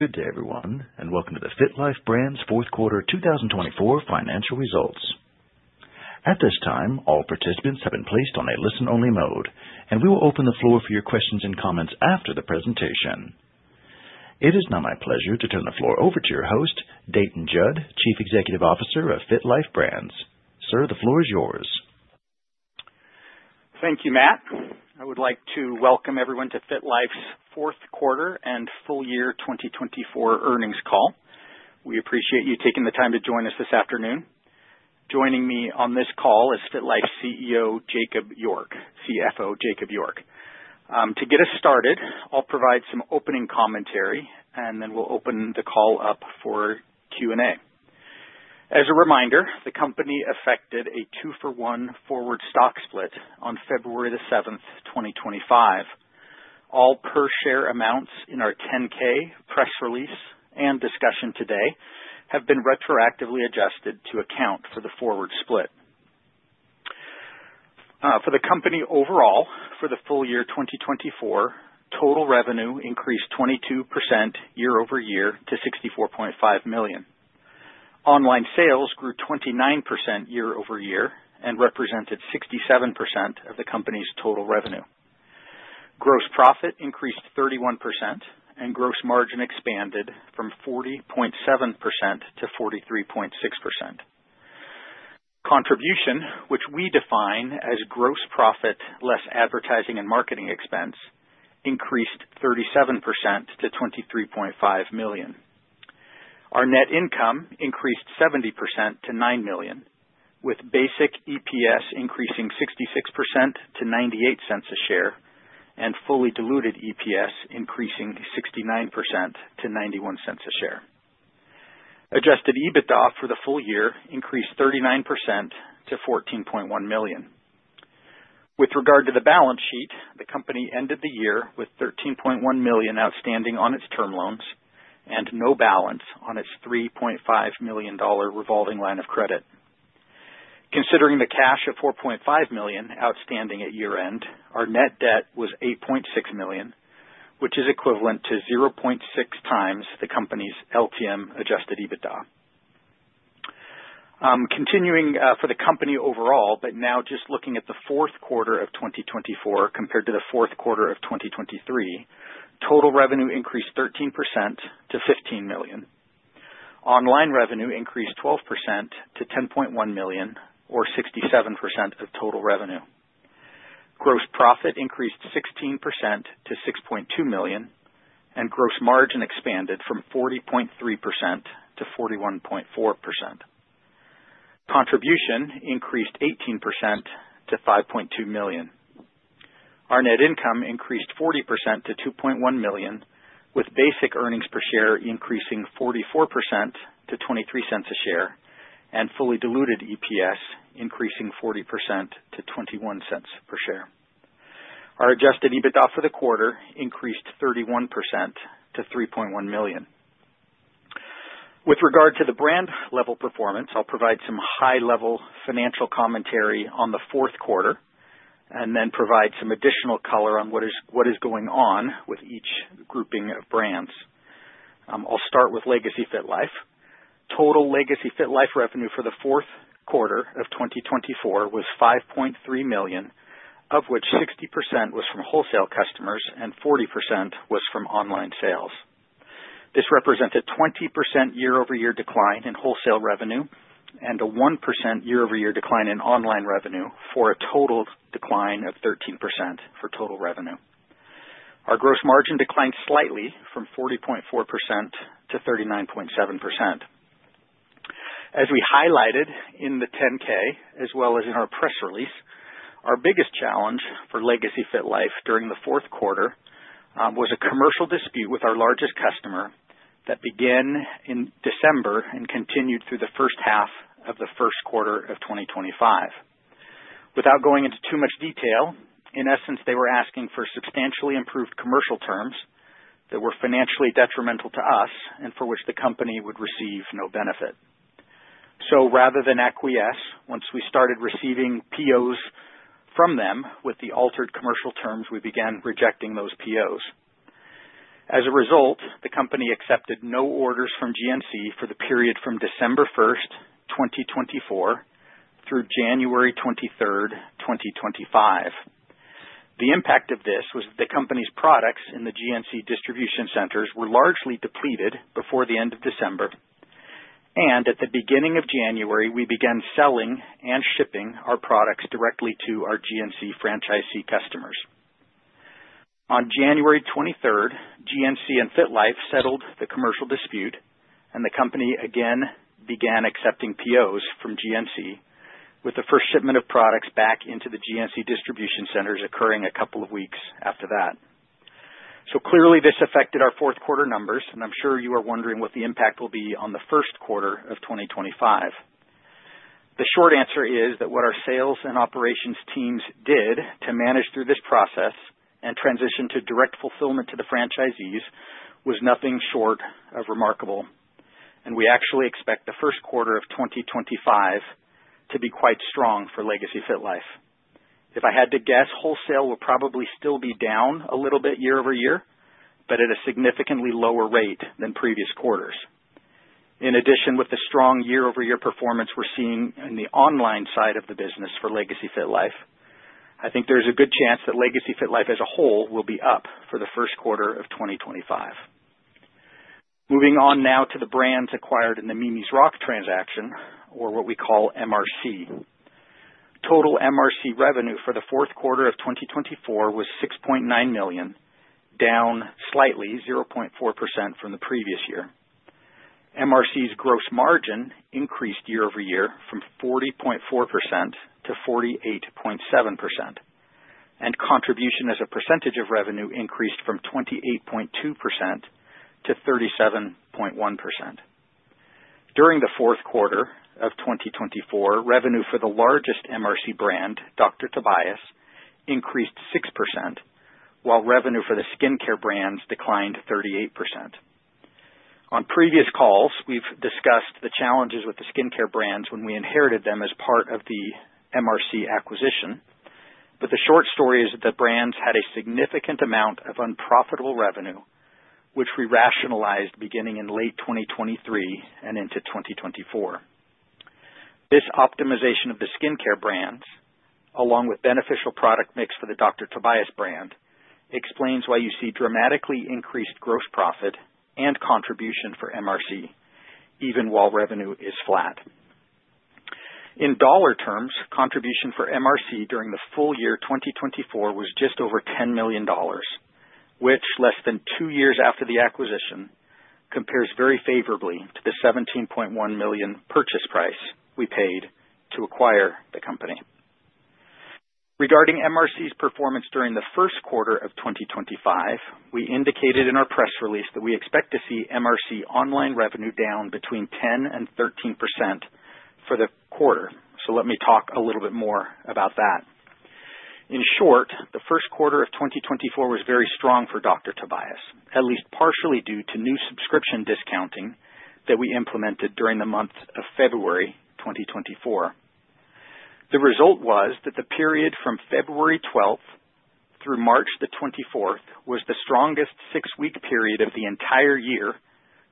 Good day, everyone, and welcome to the FitLife Brands Fourth Quarter 2024 financial results. At this time, all participants have been placed on a listen-only mode, and we will open the floor for your questions and comments after the presentation. It is now my pleasure to turn the floor over to your host, Dayton Judd, Chief Executive Officer of FitLife Brands. Sir, the floor is yours. Thank you, Matt. I would like to welcome everyone to FitLife Brands' fourth quarter and full year 2024 earnings call. We appreciate you taking the time to join us this afternoon. Joining me on this call is FitLife's CEO Jacob York, CFO Jacob York. To get us started, I'll provide some opening commentary, and then we'll open the call up for Q&A. As a reminder, the company effected a two-for-one forward stock split on February 7, 2025. All per-share amounts in our 10-K press release and discussion today have been retroactively adjusted to account for the forward split. For the company overall, for the full year 2024, total revenue increased 22% year-over-year to $64.5 million. Online sales grew 29% year-over-year and represented 67% of the company's total revenue. Gross profit increased 31%, and gross margin expanded from 40.7%-43.6%. Contribution, which we define as gross profit less advertising and marketing expense, increased 37% to $23.5 million. Our net income increased 70% to $9 million, with basic EPS increasing 66% to $0.98 a share and fully diluted EPS increasing 69% to $0.91 a share. Adjusted EBITDA for the full year increased 39% to $14.1 million. With regard to the balance sheet, the company ended the year with $13.1 million outstanding on its term loans and no balance on its $3.5 million revolving line of credit. Considering the cash of $4.5 million outstanding at year-end, our net debt was $8.6 million, which is equivalent to 0.6x the company's LTM adjusted EBITDA. Continuing for the company overall, but now just looking at the fourth quarter of 2024 compared to the fourth quarter of 2023, total revenue increased 13% to $15 million. Online revenue increased 12% to $10.1 million, or 67% of total revenue. Gross profit increased 16% to $6.2 million, and gross margin expanded from 40.3%-41.4%. Contribution increased 18% to $5.2 million. Our net income increased 40% to $2.1 million, with basic earnings per share increasing 44% to $0.23 a share and fully diluted EPS increasing 40% to $0.21 per share. Our adjusted EBITDA for the quarter increased 31% to $3.1 million. With regard to the brand-level performance, I'll provide some high-level financial commentary on the fourth quarter and then provide some additional color on what is going on with each grouping of brands. I'll start with Legacy FitLife. Total Legacy FitLife revenue for the fourth quarter of 2024 was $5.3 million, of which 60% was from wholesale customers and 40% was from online sales. This represented a 20% year-over-year decline in wholesale revenue and a 1% year-over-year decline in online revenue for a total decline of 13% for total revenue. Our gross margin declined slightly from 40.4% to 39.7%. As we highlighted in the 10-K, as well as in our press release, our biggest challenge for Legacy FitLife during the fourth quarter was a commercial dispute with our largest customer that began in December and continued through the first half of the first quarter of 2025. Without going into too much detail, in essence, they were asking for substantially improved commercial terms that were financially detrimental to us and for which the company would receive no benefit. Rather than acquiesce, once we started receiving POs from them with the altered commercial terms, we began rejecting those POs. As a result, the company accepted no orders from GNC for the period from December 1, 2024, through January 23, 2025. The impact of this was that the company's products in the GNC distribution centers were largely depleted before the end of December. At the beginning of January, we began selling and shipping our products directly to our GNC franchisee customers. On January 23, GNC and FitLife settled the commercial dispute, and the company again began accepting POs from GNC, with the first shipment of products back into the GNC distribution centers occurring a couple of weeks after that. Clearly, this affected our fourth quarter numbers, and I'm sure you are wondering what the impact will be on the first quarter of 2025. The short answer is that what our sales and operations teams did to manage through this process and transition to direct fulfillment to the franchisees was nothing short of remarkable. We actually expect the first quarter of 2025 to be quite strong for Legacy FitLife. If I had to guess, wholesale will probably still be down a little bit year over year, but at a significantly lower rate than previous quarters. In addition, with the strong year-over-year performance we are seeing in the online side of the business for Legacy FitLife, I think there is a good chance that Legacy FitLife as a whole will be up for the first quarter of 2025. Moving on now to the brands acquired in the Mimi's Rock transaction, or what we call MRC. Total MRC revenue for the fourth quarter of 2024 was $6.9 million, down slightly 0.4% from the previous year. MRC's gross margin increased year over year from 40.4%-48.7%, and contribution as a percentage of revenue increased from 28.2%-37.1%. During the fourth quarter of 2024, revenue for the largest MRC brand, Dr. Tobias, increased 6%, while revenue for the skincare brands declined 38%. On previous calls, we've discussed the challenges with the skincare brands when we inherited them as part of the MRC acquisition, but the short story is that the brands had a significant amount of unprofitable revenue, which we rationalized beginning in late 2023 and into 2024. This optimization of the skincare brands, along with beneficial product mix for the Dr. Tobias brand, explains why you see dramatically increased gross profit and contribution for MRC, even while revenue is flat. In dollar terms, contribution for MRC during the full year 2024 was just over $10 million, which, less than two years after the acquisition, compares very favorably to the $17.1 million purchase price we paid to acquire the company. Regarding MRC's performance during the first quarter of 2025, we indicated in our press release that we expect to see MRC online revenue down between 10% and 13% for the quarter. Let me talk a little bit more about that. In short, the first quarter of 2024 was very strong for Dr. Tobias, at least partially due to new subscription discounting that we implemented during the month of February 2024. The result was that the period from February 12th through March 24th was the strongest six-week period of the entire year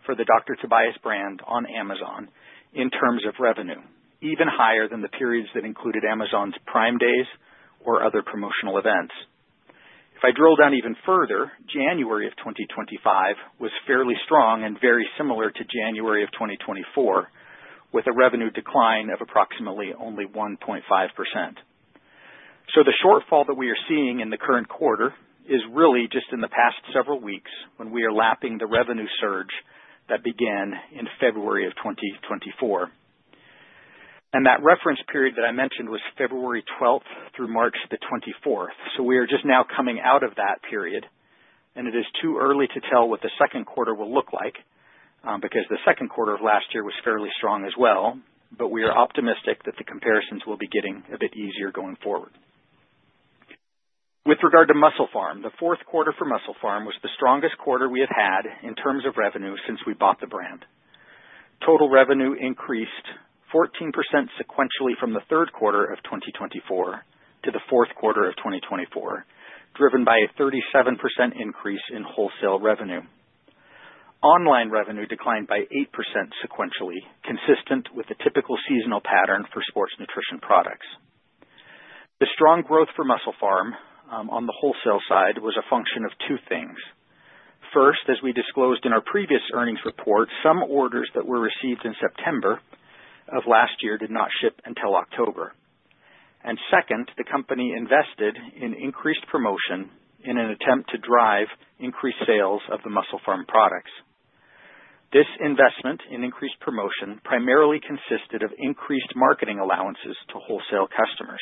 for the Dr. Tobias brand on Amazon in terms of revenue, even higher than the periods that included Amazon's Prime Days or other promotional events. If I drill down even further, January of 2025 was fairly strong and very similar to January of 2024, with a revenue decline of approximately only 1.5%. The shortfall that we are seeing in the current quarter is really just in the past several weeks when we are lapping the revenue surge that began in February of 2024. That reference period that I mentioned was February 12th through March 24th. We are just now coming out of that period, and it is too early to tell what the second quarter will look like because the second quarter of last year was fairly strong as well, but we are optimistic that the comparisons will be getting a bit easier going forward. With regard to MusclePharm, the fourth quarter for MusclePharm was the strongest quarter we have had in terms of revenue since we bought the brand. Total revenue increased 14% sequentially from the third quarter of 2024 to the fourth quarter of 2024, driven by a 37% increase in wholesale revenue. Online revenue declined by 8% sequentially, consistent with the typical seasonal pattern for sports nutrition products. The strong growth for MusclePharm on the wholesale side was a function of two things. First, as we disclosed in our previous earnings report, some orders that were received in September of last year did not ship until October. Second, the company invested in increased promotion in an attempt to drive increased sales of the MusclePharm products. This investment in increased promotion primarily consisted of increased marketing allowances to wholesale customers.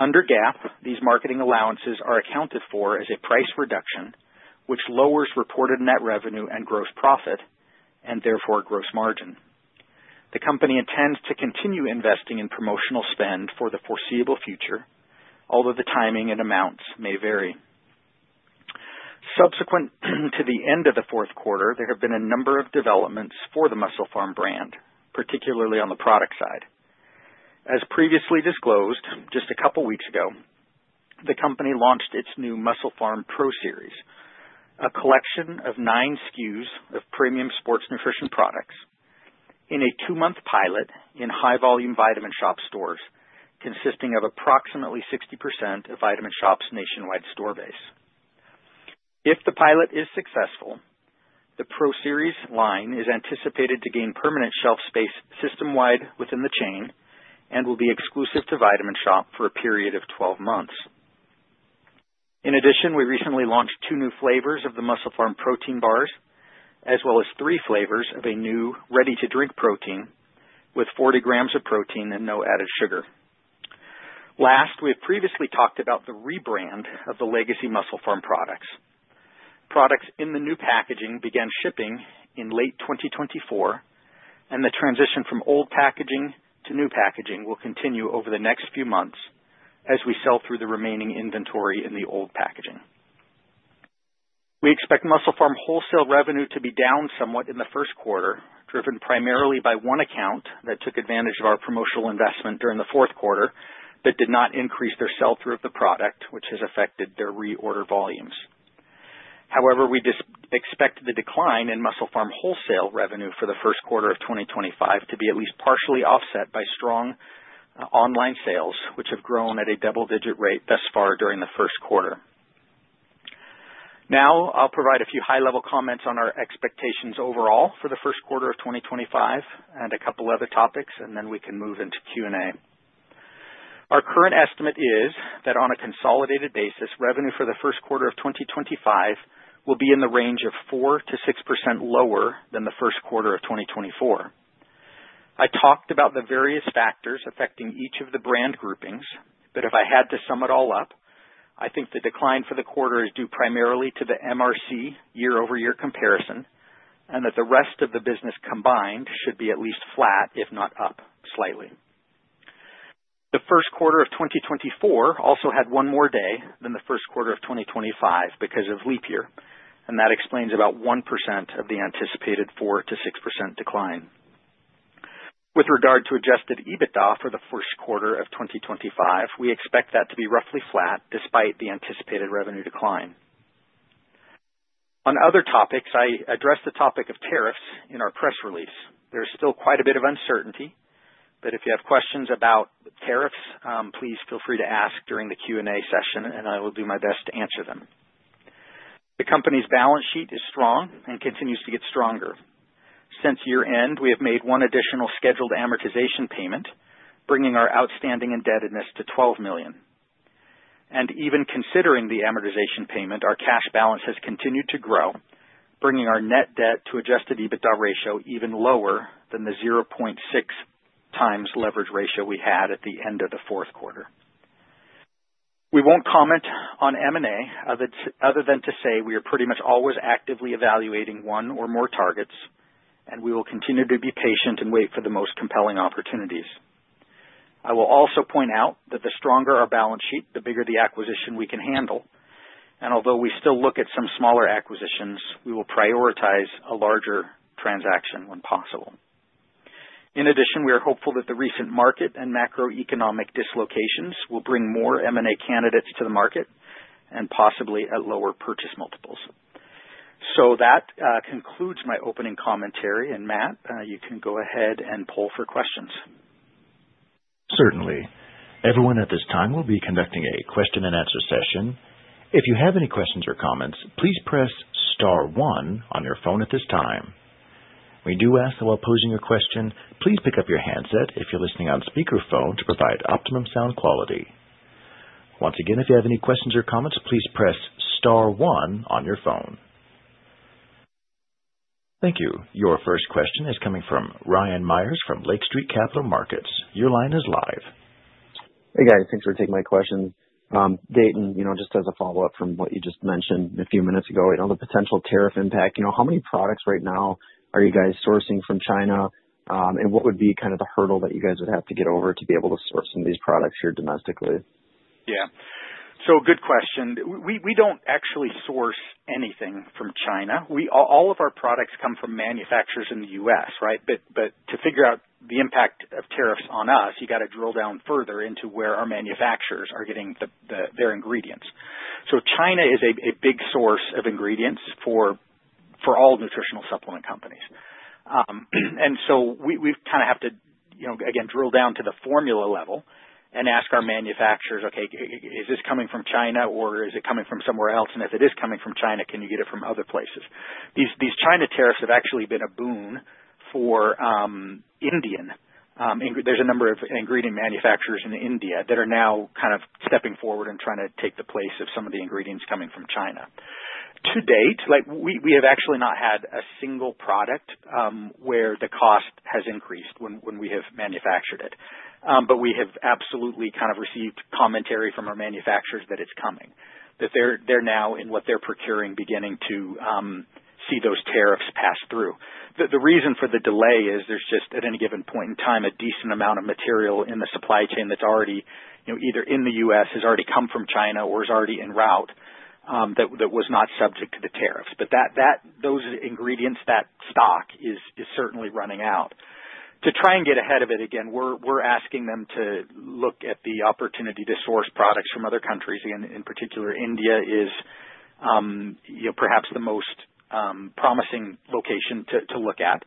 Under GAAP, these marketing allowances are accounted for as a price reduction, which lowers reported net revenue and gross profit, and therefore gross margin. The company intends to continue investing in promotional spend for the foreseeable future, although the timing and amounts may vary. Subsequent to the end of the fourth quarter, there have been a number of developments for the MusclePharm brand, particularly on the product side. As previously disclosed just a couple of weeks ago, the company launched its new MusclePharm Pro Series, a collection of nine SKUs of premium sports nutrition products, in a two-month pilot in high-volume Vitamin Shoppe stores, consisting of approximately 60% of Vitamin Shoppe's nationwide store base. If the pilot is successful, the Pro Series line is anticipated to gain permanent shelf space system-wide within the chain and will be exclusive to Vitamin Shoppe for a period of 12 months. In addition, we recently launched two new flavors of the MusclePharm protein bars, as well as three flavors of a new ready-to-drink protein with 40 grams of protein and no added sugar. Last, we have previously talked about the rebrand of the Legacy MusclePharm products. Products in the new packaging began shipping in late 2024, and the transition from old packaging to new packaging will continue over the next few months as we sell through the remaining inventory in the old packaging. We expect MusclePharm wholesale revenue to be down somewhat in the first quarter, driven primarily by one account that took advantage of our promotional investment during the fourth quarter that did not increase their sell-through of the product, which has affected their reorder volumes. However, we expect the decline in MusclePharm wholesale revenue for the first quarter of 2025 to be at least partially offset by strong online sales, which have grown at a double-digit rate thus far during the first quarter. Now, I'll provide a few high-level comments on our expectations overall for the first quarter of 2025 and a couple of other topics, and then we can move into Q&A. Our current estimate is that on a consolidated basis, revenue for the first quarter of 2025 will be in the range of 4%-6% lower than the first quarter of 2024. I talked about the various factors affecting each of the brand groupings, but if I had to sum it all up, I think the decline for the quarter is due primarily to the MRC year-over-year comparison and that the rest of the business combined should be at least flat, if not up, slightly. The first quarter of 2024 also had one more day than the first quarter of 2025 because of leap year, and that explains about 1% of the anticipated 4%-6% decline. With regard to adjusted EBITDA for the first quarter of 2025, we expect that to be roughly flat despite the anticipated revenue decline. On other topics, I addressed the topic of tariffs in our press release. There's still quite a bit of uncertainty, but if you have questions about tariffs, please feel free to ask during the Q&A session, and I will do my best to answer them. The company's balance sheet is strong and continues to get stronger. Since year-end, we have made one additional scheduled amortization payment, bringing our outstanding indebtedness to $12 million. Even considering the amortization payment, our cash balance has continued to grow, bringing our net debt to adjusted EBITDA ratio even lower than the 0.6 times leverage ratio we had at the end of the fourth quarter. We won't comment on M&A other than to say we are pretty much always actively evaluating one or more targets, and we will continue to be patient and wait for the most compelling opportunities. I will also point out that the stronger our balance sheet, the bigger the acquisition we can handle. Although we still look at some smaller acquisitions, we will prioritize a larger transaction when possible. In addition, we are hopeful that the recent market and macroeconomic dislocations will bring more M&A candidates to the market and possibly at lower purchase multiples. That concludes my opening commentary. Matt, you can go ahead and poll for questions. Certainly. Everyone at this time will be conducting a question-and-answer session. If you have any questions or comments, please press star one on your phone at this time. We do ask that while posing a question, please pick up your handset if you're listening on speakerphone to provide optimum sound quality. Once again, if you have any questions or comments, please press star one on your phone. Thank you. Your first question is coming from Ryan Meyers from Lake Street Capital Markets. Your line is live. Hey, guys. Thanks for taking my question. Dayton, just as a follow-up from what you just mentioned a few minutes ago, the potential tariff impact, how many products right now are you guys sourcing from China, and what would be kind of the hurdle that you guys would have to get over to be able to source some of these products here domestically? Yeah. Good question. We do not actually source anything from China. All of our products come from manufacturers in the U.S., right? To figure out the impact of tariffs on us, you have to drill down further into where our manufacturers are getting their ingredients. China is a big source of ingredients for all nutritional supplement companies. We kind of have to, again, drill down to the formula level and ask our manufacturers, "Okay, is this coming from China, or is it coming from somewhere else? If it is coming from China, can you get it from other places?" These China tariffs have actually been a boon for India. There are a number of ingredient manufacturers in India that are now kind of stepping forward and trying to take the place of some of the ingredients coming from China. To date, we have actually not had a single product where the cost has increased when we have manufactured it, but we have absolutely kind of received commentary from our manufacturers that it's coming, that they're now, in what they're procuring, beginning to see those tariffs pass through. The reason for the delay is there's just, at any given point in time, a decent amount of material in the supply chain that's already either in the U.S., has already come from China, or is already en route, that was not subject to the tariffs. Those ingredients, that stock is certainly running out. To try and get ahead of it, again, we're asking them to look at the opportunity to source products from other countries. In particular, India is perhaps the most promising location to look at.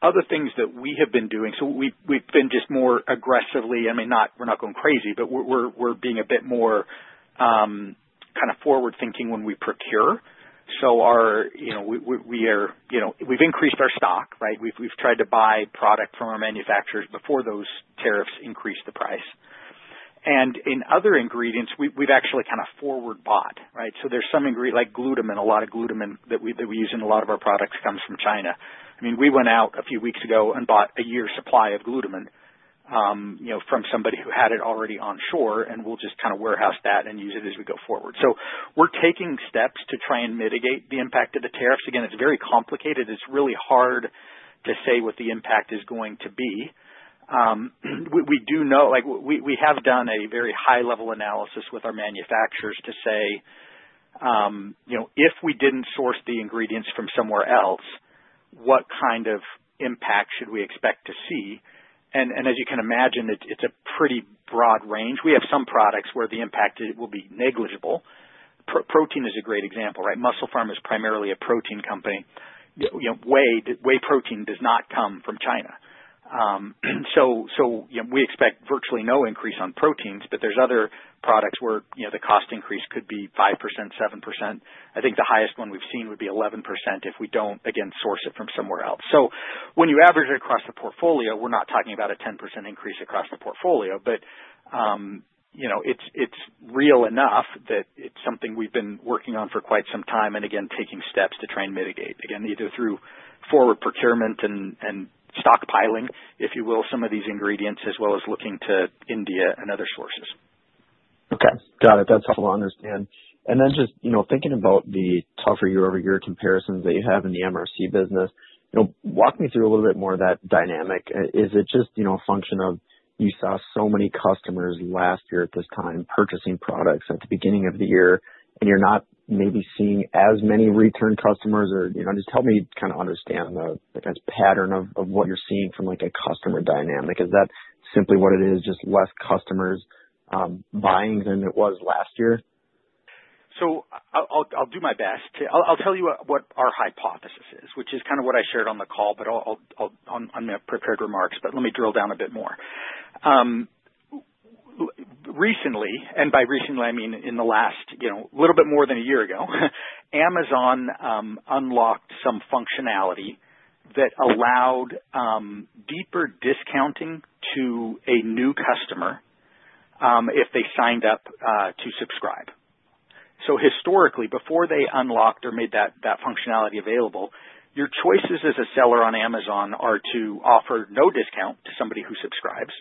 Other things that we have been doing, we have been just more aggressively, I mean, we're not going crazy, but we're being a bit more kind of forward-thinking when we procure. We have increased our stock, right? We have tried to buy product from our manufacturers before those tariffs increased the price. In other ingredients, we have actually kind of forward-bought, right? There is some ingredient like glutamine, a lot of glutamine that we use in a lot of our products comes from China. I mean, we went out a few weeks ago and bought a year's supply of glutamine from somebody who had it already on shore, and we will just kind of warehouse that and use it as we go forward. We are taking steps to try and mitigate the impact of the tariffs. Again, it is very complicated. It is really hard to say what the impact is going to be. We do know we have done a very high-level analysis with our manufacturers to say, "If we did not source the ingredients from somewhere else, what kind of impact should we expect to see?" As you can imagine, it is a pretty broad range. We have some products where the impact will be negligible. Protein is a great example, right? MusclePharm is primarily a protein company. Whey protein does not come from China. We expect virtually no increase on proteins, but there are other products where the cost increase could be 5%, 7%. I think the highest one we have seen would be 11% if we do not, again, source it from somewhere else. When you average it across the portfolio, we're not talking about a 10% increase across the portfolio, but it's real enough that it's something we've been working on for quite some time and, again, taking steps to try and mitigate, again, either through forward procurement and stockpiling, if you will, some of these ingredients, as well as looking to India and other sources. Okay. Got it. That's helpful to understand. Just thinking about the tougher year-over-year comparisons that you have in the MRC business, walk me through a little bit more of that dynamic. Is it just a function of you saw so many customers last year at this time purchasing products at the beginning of the year, and you're not maybe seeing as many return customers? Just help me kind of understand the pattern of what you're seeing from a customer dynamic. Is that simply what it is, just less customers buying than it was last year? I'll do my best. I'll tell you what our hypothesis is, which is kind of what I shared on the call, in my prepared remarks. Let me drill down a bit more. Recently, and by recently, I mean in the last little bit more than a year ago, Amazon unlocked some functionality that allowed deeper discounting to a new customer if they signed up to subscribe. Historically, before they unlocked or made that functionality available, your choices as a seller on Amazon are to offer no discount to somebody who subscribes,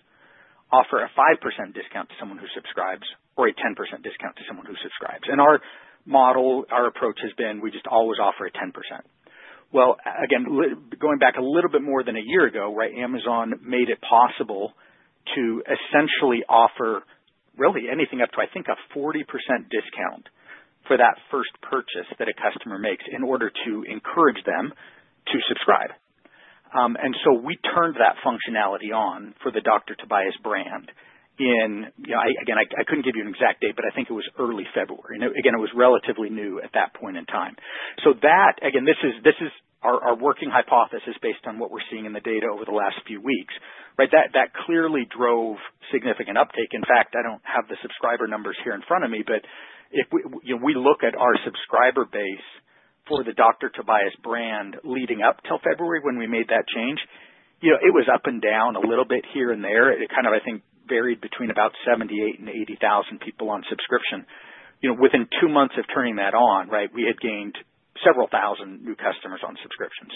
offer a 5% discount to someone who subscribes, or a 10% discount to someone who subscribes. Our model, our approach has been, we just always offer a 10%. Again, going back a little bit more than a year ago, right, Amazon made it possible to essentially offer really anything up to, I think, a 40% discount for that first purchase that a customer makes in order to encourage them to subscribe. We turned that functionality on for the Dr. Tobias brand in, again, I couldn't give you an exact date, but I think it was early February. Again, it was relatively new at that point in time. That, again, this is our working hypothesis based on what we're seeing in the data over the last few weeks, right? That clearly drove significant uptake. In fact, I don't have the subscriber numbers here in front of me, but if we look at our subscriber base for the Dr. Tobias brand leading up till February when we made that change, it was up and down a little bit here and there. It kind of, I think, varied between about 78,000 and 80,000 people on subscription. Within two months of turning that on, right, we had gained several thousand new customers on subscription.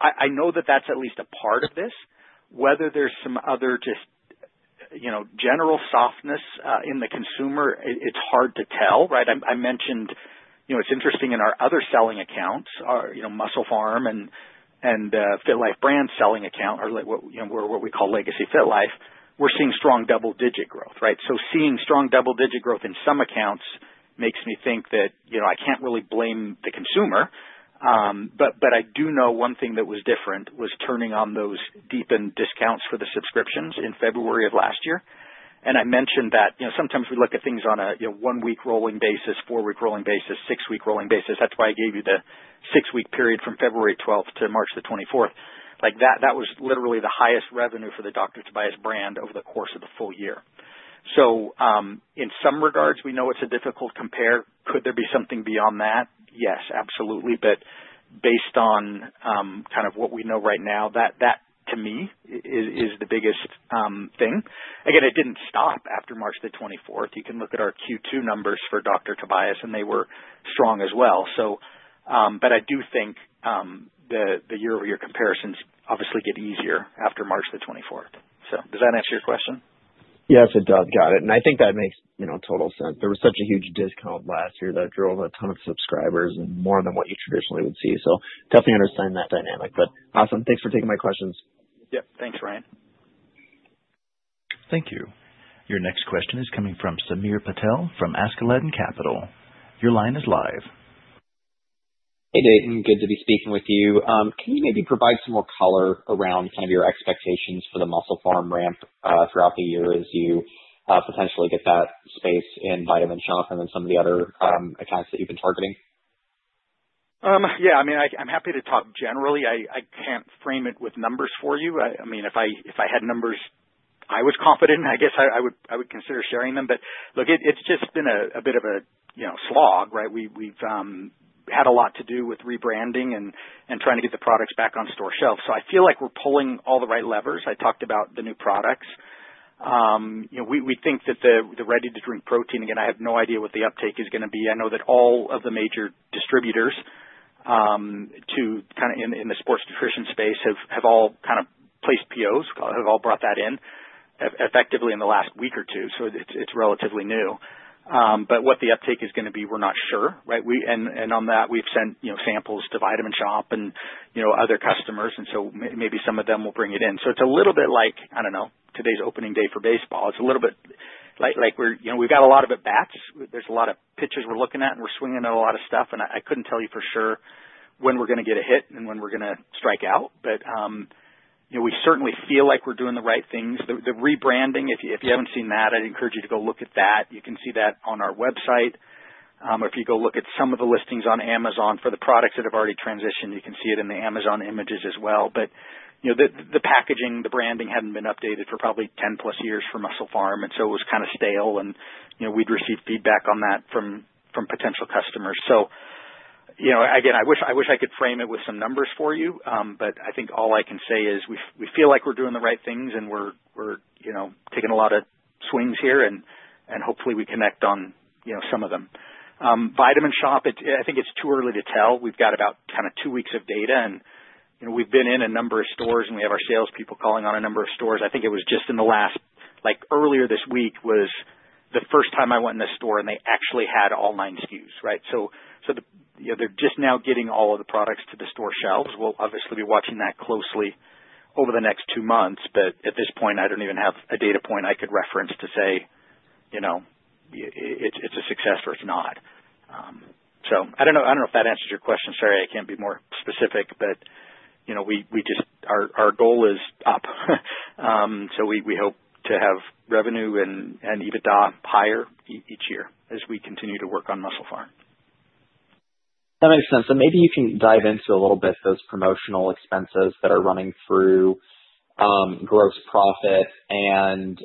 I know that that's at least a part of this. Whether there's some other just general softness in the consumer, it's hard to tell, right? I mentioned it's interesting in our other selling accounts, our MusclePharm and FitLife Brands selling account, or what we call Legacy FitLife, we're seeing strong double-digit growth, right? Seeing strong double-digit growth in some accounts makes me think that I can't really blame the consumer, but I do know one thing that was different was turning on those deepened discounts for the subscriptions in February of last year. I mentioned that sometimes we look at things on a one-week rolling basis, four-week rolling basis, six-week rolling basis. That is why I gave you the six-week period from February 12th to March 24th. That was literally the highest revenue for the Dr. Tobias brand over the course of the full year. In some regards, we know it is a difficult compare. Could there be something beyond that? Yes, absolutely. Based on what we know right now, that to me is the biggest thing. Again, it did not stop after March 24th. You can look at our Q2 numbers for Dr. Tobias, and they were strong as well. I do think the year-over-year comparisons obviously get easier after March 24th. Does that answer your question? Yes, it does. Got it. I think that makes total sense. There was such a huge discount last year that drove a ton of subscribers and more than what you traditionally would see. I definitely understand that dynamic. Awesome. Thanks for taking my questions. Yep. Thanks, Ryan. Thank you. Your next question is coming from Samir Patel from Askeladden Capital. Your line is live. Hey, Dayton. Good to be speaking with you. Can you maybe provide some more color around kind of your expectations for the MusclePharm ramp throughout the year as you potentially get that space in Vitamin Shoppe and then some of the other accounts that you've been targeting? Yeah. I mean, I'm happy to talk generally. I can't frame it with numbers for you. I mean, if I had numbers I was confident in, I guess I would consider sharing them. Look, it's just been a bit of a slog, right? We've had a lot to do with rebranding and trying to get the products back on store shelves. I feel like we're pulling all the right levers. I talked about the new products. We think that the ready-to-drink protein, again, I have no idea what the uptake is going to be. I know that all of the major distributors kind of in the sports nutrition space have all kind of placed POs, have all brought that in effectively in the last week or two. It's relatively new. What the uptake is going to be, we're not sure, right? We have sent samples to Vitamin Shoppe and other customers, and maybe some of them will bring it in. It is a little bit like, I do not know, today is opening day for baseball. It is a little bit like we have a lot of at-bats. There are a lot of pitches we are looking at, and we are swinging on a lot of stuff. I could not tell you for sure when we are going to get a hit and when we are going to strike out. We certainly feel like we are doing the right things. The rebranding, if you have not seen that, I would encourage you to go look at that. You can see that on our website. If you go look at some of the listings on Amazon for the products that have already transitioned, you can see it in the Amazon images as well. The packaging, the branding had not been updated for probably 10-plus years for MusclePharm, and it was kind of stale. We had received feedback on that from potential customers. Again, I wish I could frame it with some numbers for you, but I think all I can say is we feel like we are doing the right things, and we are taking a lot of swings here, and hopefully we connect on some of them. Vitamin Shoppe, I think it is too early to tell. We have got about two weeks of data, and we have been in a number of stores, and we have our salespeople calling on a number of stores. I think it was just in the last, like earlier this week was the first time I went in a store, and they actually had all nine SKUs, right? They're just now getting all of the products to the store shelves. We'll obviously be watching that closely over the next two months, but at this point, I don't even have a data point I could reference to say it's a success or it's not. I don't know if that answers your question. Sorry, I can't be more specific, but our goal is up. We hope to have revenue and even higher each year as we continue to work on MusclePharm. That makes sense. Maybe you can dive into a little bit of those promotional expenses that are running through gross profit and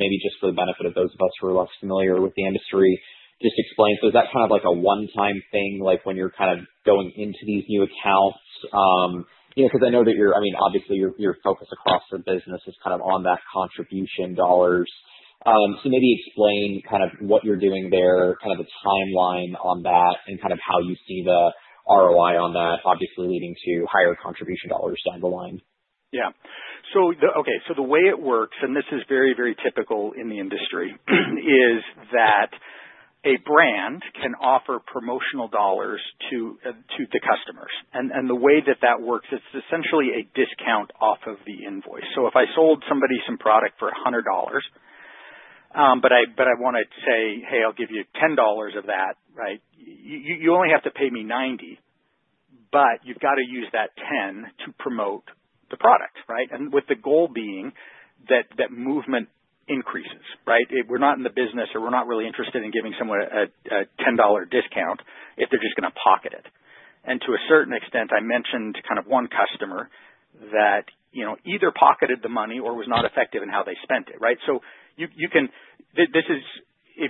maybe just for the benefit of those of us who are less familiar with the industry, just explain. Is that kind of like a one-time thing when you're kind of going into these new accounts? I know that you're, I mean, obviously, your focus across the business is kind of on that contribution dollars. Maybe explain kind of what you're doing there, kind of the timeline on that, and kind of how you see the ROI on that, obviously leading to higher contribution dollars down the line. Yeah. Okay. The way it works, and this is very, very typical in the industry, is that a brand can offer promotional dollars to the customers. The way that that works, it's essentially a discount off of the invoice. If I sold somebody some product for $100, but I want to say, "Hey, I'll give you $10 of that," right? You only have to pay me $90, but you've got to use that $10 to promote the product, right? The goal being that movement increases, right? We're not in the business, or we're not really interested in giving someone a $10 discount if they're just going to pocket it. To a certain extent, I mentioned kind of one customer that either pocketed the money or was not effective in how they spent it, right? If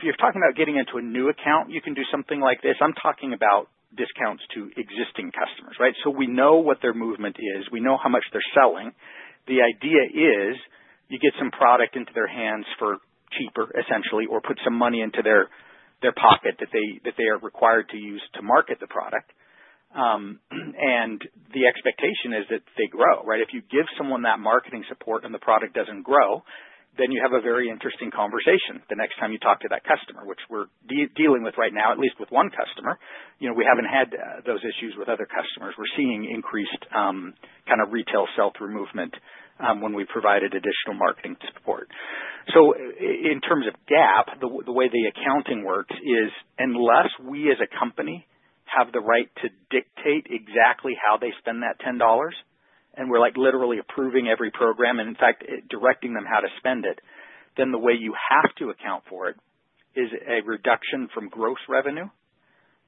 you're talking about getting into a new account, you can do something like this. I'm talking about discounts to existing customers, right? We know what their movement is. We know how much they're selling. The idea is you get some product into their hands for cheaper, essentially, or put some money into their pocket that they are required to use to market the product. The expectation is that they grow, right? If you give someone that marketing support and the product doesn't grow, then you have a very interesting conversation the next time you talk to that customer, which we're dealing with right now, at least with one customer. We haven't had those issues with other customers. We're seeing increased kind of retail sell-through movement when we provided additional marketing support. In terms of GAAP, the way the accounting works is unless we as a company have the right to dictate exactly how they spend that $10, and we're literally approving every program and, in fact, directing them how to spend it, then the way you have to account for it is a reduction from gross revenue,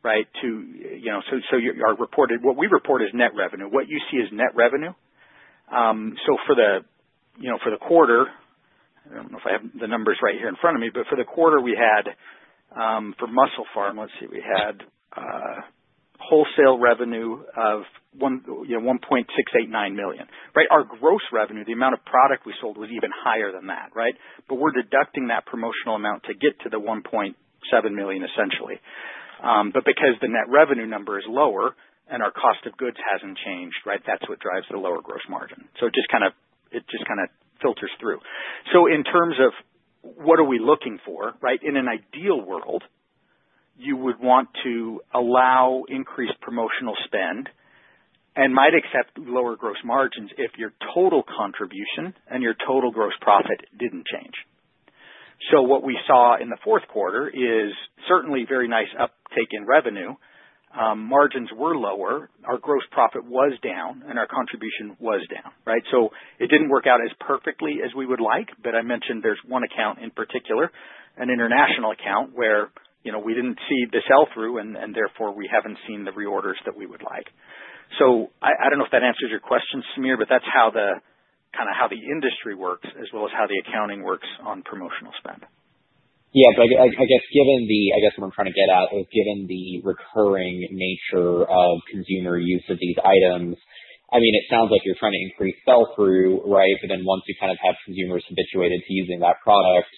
right? What we report is net revenue. What you see is net revenue. For the quarter, I don't know if I have the numbers right here in front of me, but for the quarter we had for MusclePharm, let's see, we had wholesale revenue of $1.689 million, right? Our gross revenue, the amount of product we sold, was even higher than that, right? We're deducting that promotional amount to get to the $1.7 million, essentially. Because the net revenue number is lower and our cost of goods has not changed, right, that is what drives the lower gross margin. It just kind of filters through. In terms of what are we looking for, right? In an ideal world, you would want to allow increased promotional spend and might accept lower gross margins if your total contribution and your total gross profit did not change. What we saw in the fourth quarter is certainly very nice uptake in revenue. Margins were lower. Our gross profit was down, and our contribution was down, right? It did not work out as perfectly as we would like, but I mentioned there is one account in particular, an international account, where we did not see the sell-through, and therefore we have not seen the reorders that we would like. I don't know if that answers your question, Samir, but that's kind of how the industry works as well as how the accounting works on promotional spend. Yeah. I guess given the, I guess what I'm trying to get at is given the recurring nature of consumer use of these items, I mean, it sounds like you're trying to increase sell-through, right? But then once you kind of have consumers habituated to using that product,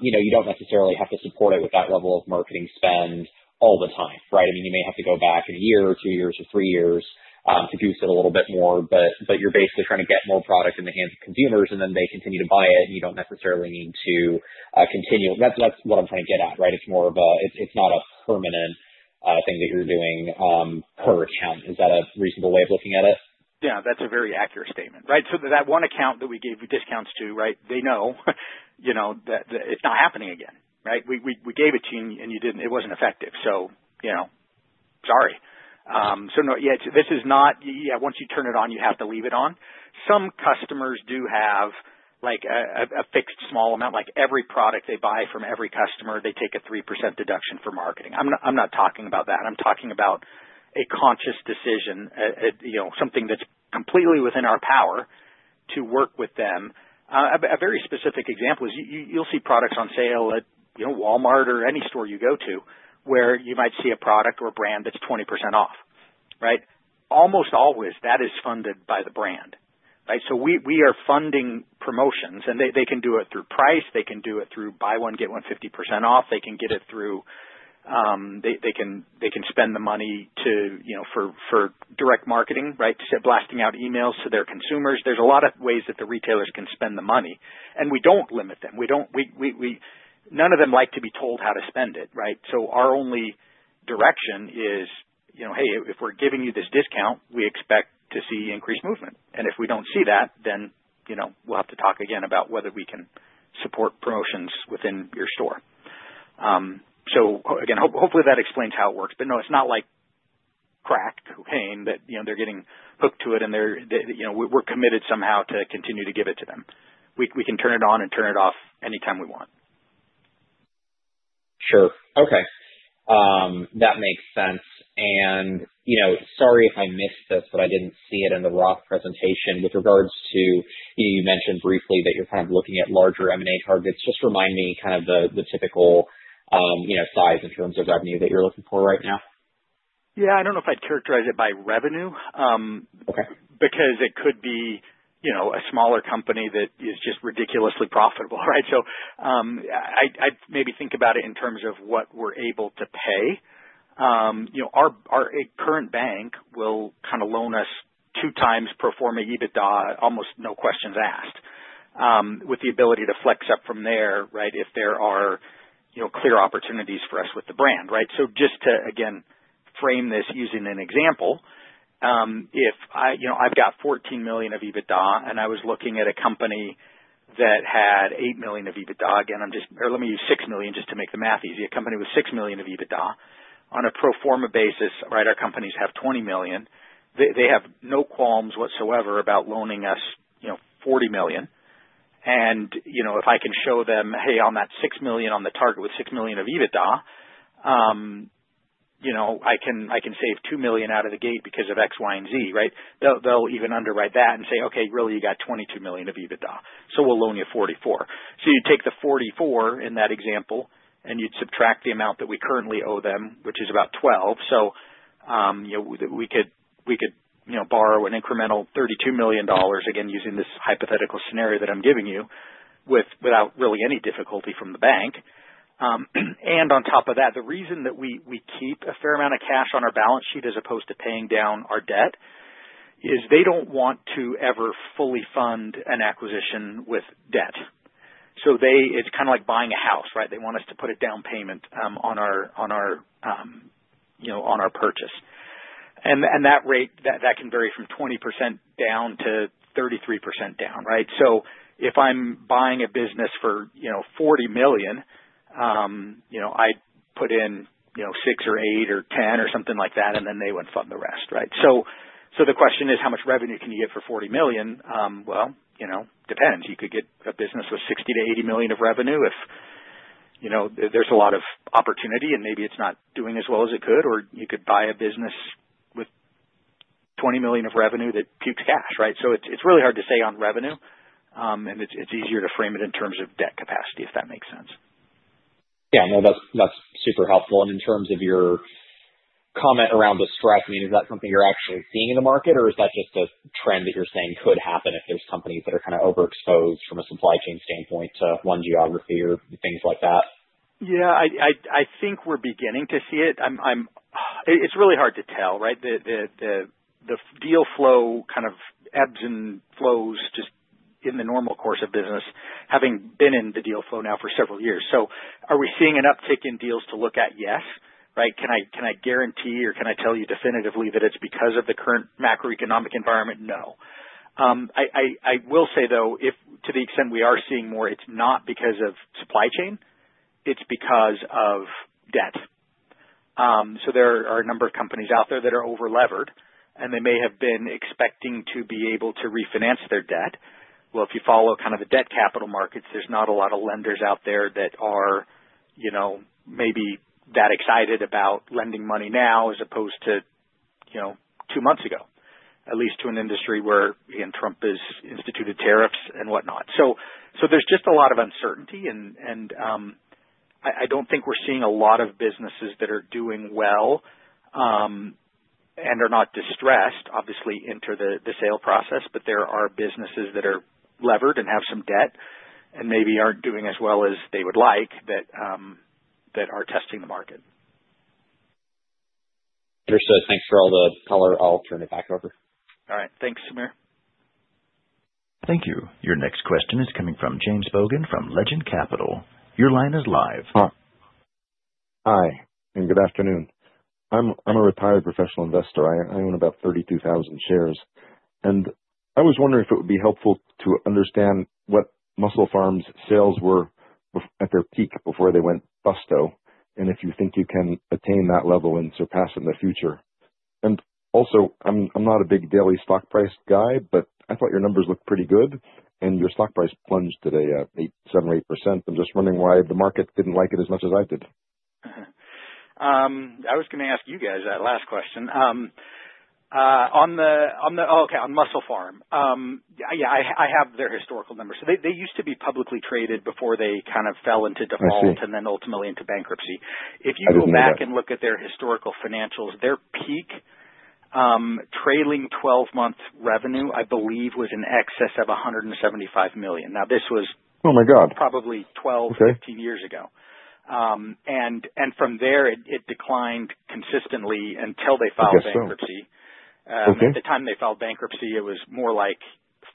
you don't necessarily have to support it with that level of marketing spend all the time, right? I mean, you may have to go back a year or two years or three years to boost it a little bit more, but you're basically trying to get more product in the hands of consumers, and then they continue to buy it, and you don't necessarily need to continue. That's what I'm trying to get at, right? It's not a permanent thing that you're doing per account. Is that a reasonable way of looking at it? Yeah. That's a very accurate statement, right? That one account that we gave discounts to, they know that it's not happening again, right? We gave it to you, and you didn't. It wasn't effective. Sorry. This is not, once you turn it on, you have to leave it on. Some customers do have a fixed small amount. Every product they buy from every customer, they take a 3% deduction for marketing. I'm not talking about that. I'm talking about a conscious decision, something that's completely within our power to work with them. A very specific example is you'll see products on sale at Walmart or any store you go to where you might see a product or a brand that's 20% off, right? Almost always, that is funded by the brand, right? We are funding promotions, and they can do it through price. They can do it through buy one, get one 50% off. They can get it through, they can spend the money for direct marketing, right, to blasting out emails to their consumers. There are a lot of ways that the retailers can spend the money, and we do not limit them. None of them like to be told how to spend it, right? Our only direction is, "Hey, if we are giving you this discount, we expect to see increased movement. If we do not see that, then we will have to talk again about whether we can support promotions within your store." Hopefully that explains how it works. No, it is not like crack cocaine that they are getting hooked to it, and we are committed somehow to continue to give it to them. We can turn it on and turn it off anytime we want. Sure. Okay. That makes sense. Sorry if I missed this, but I did not see it in the Roth presentation with regards to you mentioned briefly that you are kind of looking at larger M&A targets. Just remind me kind of the typical size in terms of revenue that you are looking for right now. Yeah. I don't know if I'd characterize it by revenue because it could be a smaller company that is just ridiculously profitable, right? I'd maybe think about it in terms of what we're able to pay. Our current bank will kind of loan us 2x performing EBITDA, almost no questions asked, with the ability to flex up from there, right, if there are clear opportunities for us with the brand, right? Just to, again, frame this using an example, if I've got $14 million of EBITDA and I was looking at a company that had $8 million of EBITDA, again, let me use $6 million just to make the math easy. A company with $6 million of EBITDA on a pro forma basis, right, our companies have $20 million. They have no qualms whatsoever about loaning us $40 million. If I can show them, "Hey, on that $6 million on the target with $6 million of EBITDA, I can save $2 million out of the gate because of X, Y, and Z," right? They'll even underwrite that and say, "Okay, really, you got $22 million of EBITDA. So we'll loan you $44 million." You take the $44 million in that example, and you'd subtract the amount that we currently owe them, which is about $12 million. We could borrow an incremental $32 million, again, using this hypothetical scenario that I'm giving you without really any difficulty from the bank. On top of that, the reason that we keep a fair amount of cash on our balance sheet as opposed to paying down our debt is they don't want to ever fully fund an acquisition with debt. It's kind of like buying a house, right? They want us to put a down payment on our purchase. That rate can vary from 20% down to 33% down, right? If I'm buying a business for $40 million, I'd put in $6 million or $8 million or $10 million or something like that, and then they would fund the rest, right? The question is, how much revenue can you get for $40 million? It depends. You could get a business with $60 million-$80 million of revenue if there's a lot of opportunity and maybe it's not doing as well as it could, or you could buy a business with $20 million of revenue that pukes cash, right? It's really hard to say on revenue, and it's easier to frame it in terms of debt capacity, if that makes sense. Yeah. No, that's super helpful. In terms of your comment around distress, I mean, is that something you're actually seeing in the market, or is that just a trend that you're saying could happen if there's companies that are kind of overexposed from a supply chain standpoint to one geography or things like that? Yeah. I think we're beginning to see it. It's really hard to tell, right? The deal flow kind of ebbs and flows just in the normal course of business, having been in the deal flow now for several years. Are we seeing an uptick in deals to look at? Yes, right? Can I guarantee or can I tell you definitively that it's because of the current macroeconomic environment? No. I will say, though, to the extent we are seeing more, it's not because of supply chain. It's because of debt. There are a number of companies out there that are over-levered, and they may have been expecting to be able to refinance their debt. If you follow kind of the debt capital markets, there's not a lot of lenders out there that are maybe that excited about lending money now as opposed to two months ago, at least to an industry where, again, Trump has instituted tariffs and whatnot. There is just a lot of uncertainty, and I don't think we're seeing a lot of businesses that are doing well and are not distressed, obviously, into the sale process, but there are businesses that are levered and have some debt and maybe aren't doing as well as they would like that are testing the market. Understood. Thanks for all the color. I'll turn it back over. All right. Thanks, Samir. Thank you. Your next question is coming from James Bogin from Legend Capital. Your line is live. Hi. And good afternoon. I'm a retired professional investor. I own about 32,000 shares. I was wondering if it would be helpful to understand what MusclePharm's sales were at their peak before they went busto, and if you think you can attain that level and surpass in the future. I am not a big daily stock price guy, but I thought your numbers looked pretty good, and your stock price plunged today, 7% or 8%. I'm just wondering why the market didn't like it as much as I did. I was going to ask you guys that last question. On the, okay, on MusclePharm, yeah, I have their historical numbers. They used to be publicly traded before they kind of fell into default and then ultimately into bankruptcy. If you go back and look at their historical financials, their peak trailing 12-month revenue, I believe, was in excess of $175 million. This was probably 12, 15 years ago. From there, it declined consistently until they filed bankruptcy. At the time they filed bankruptcy, it was more like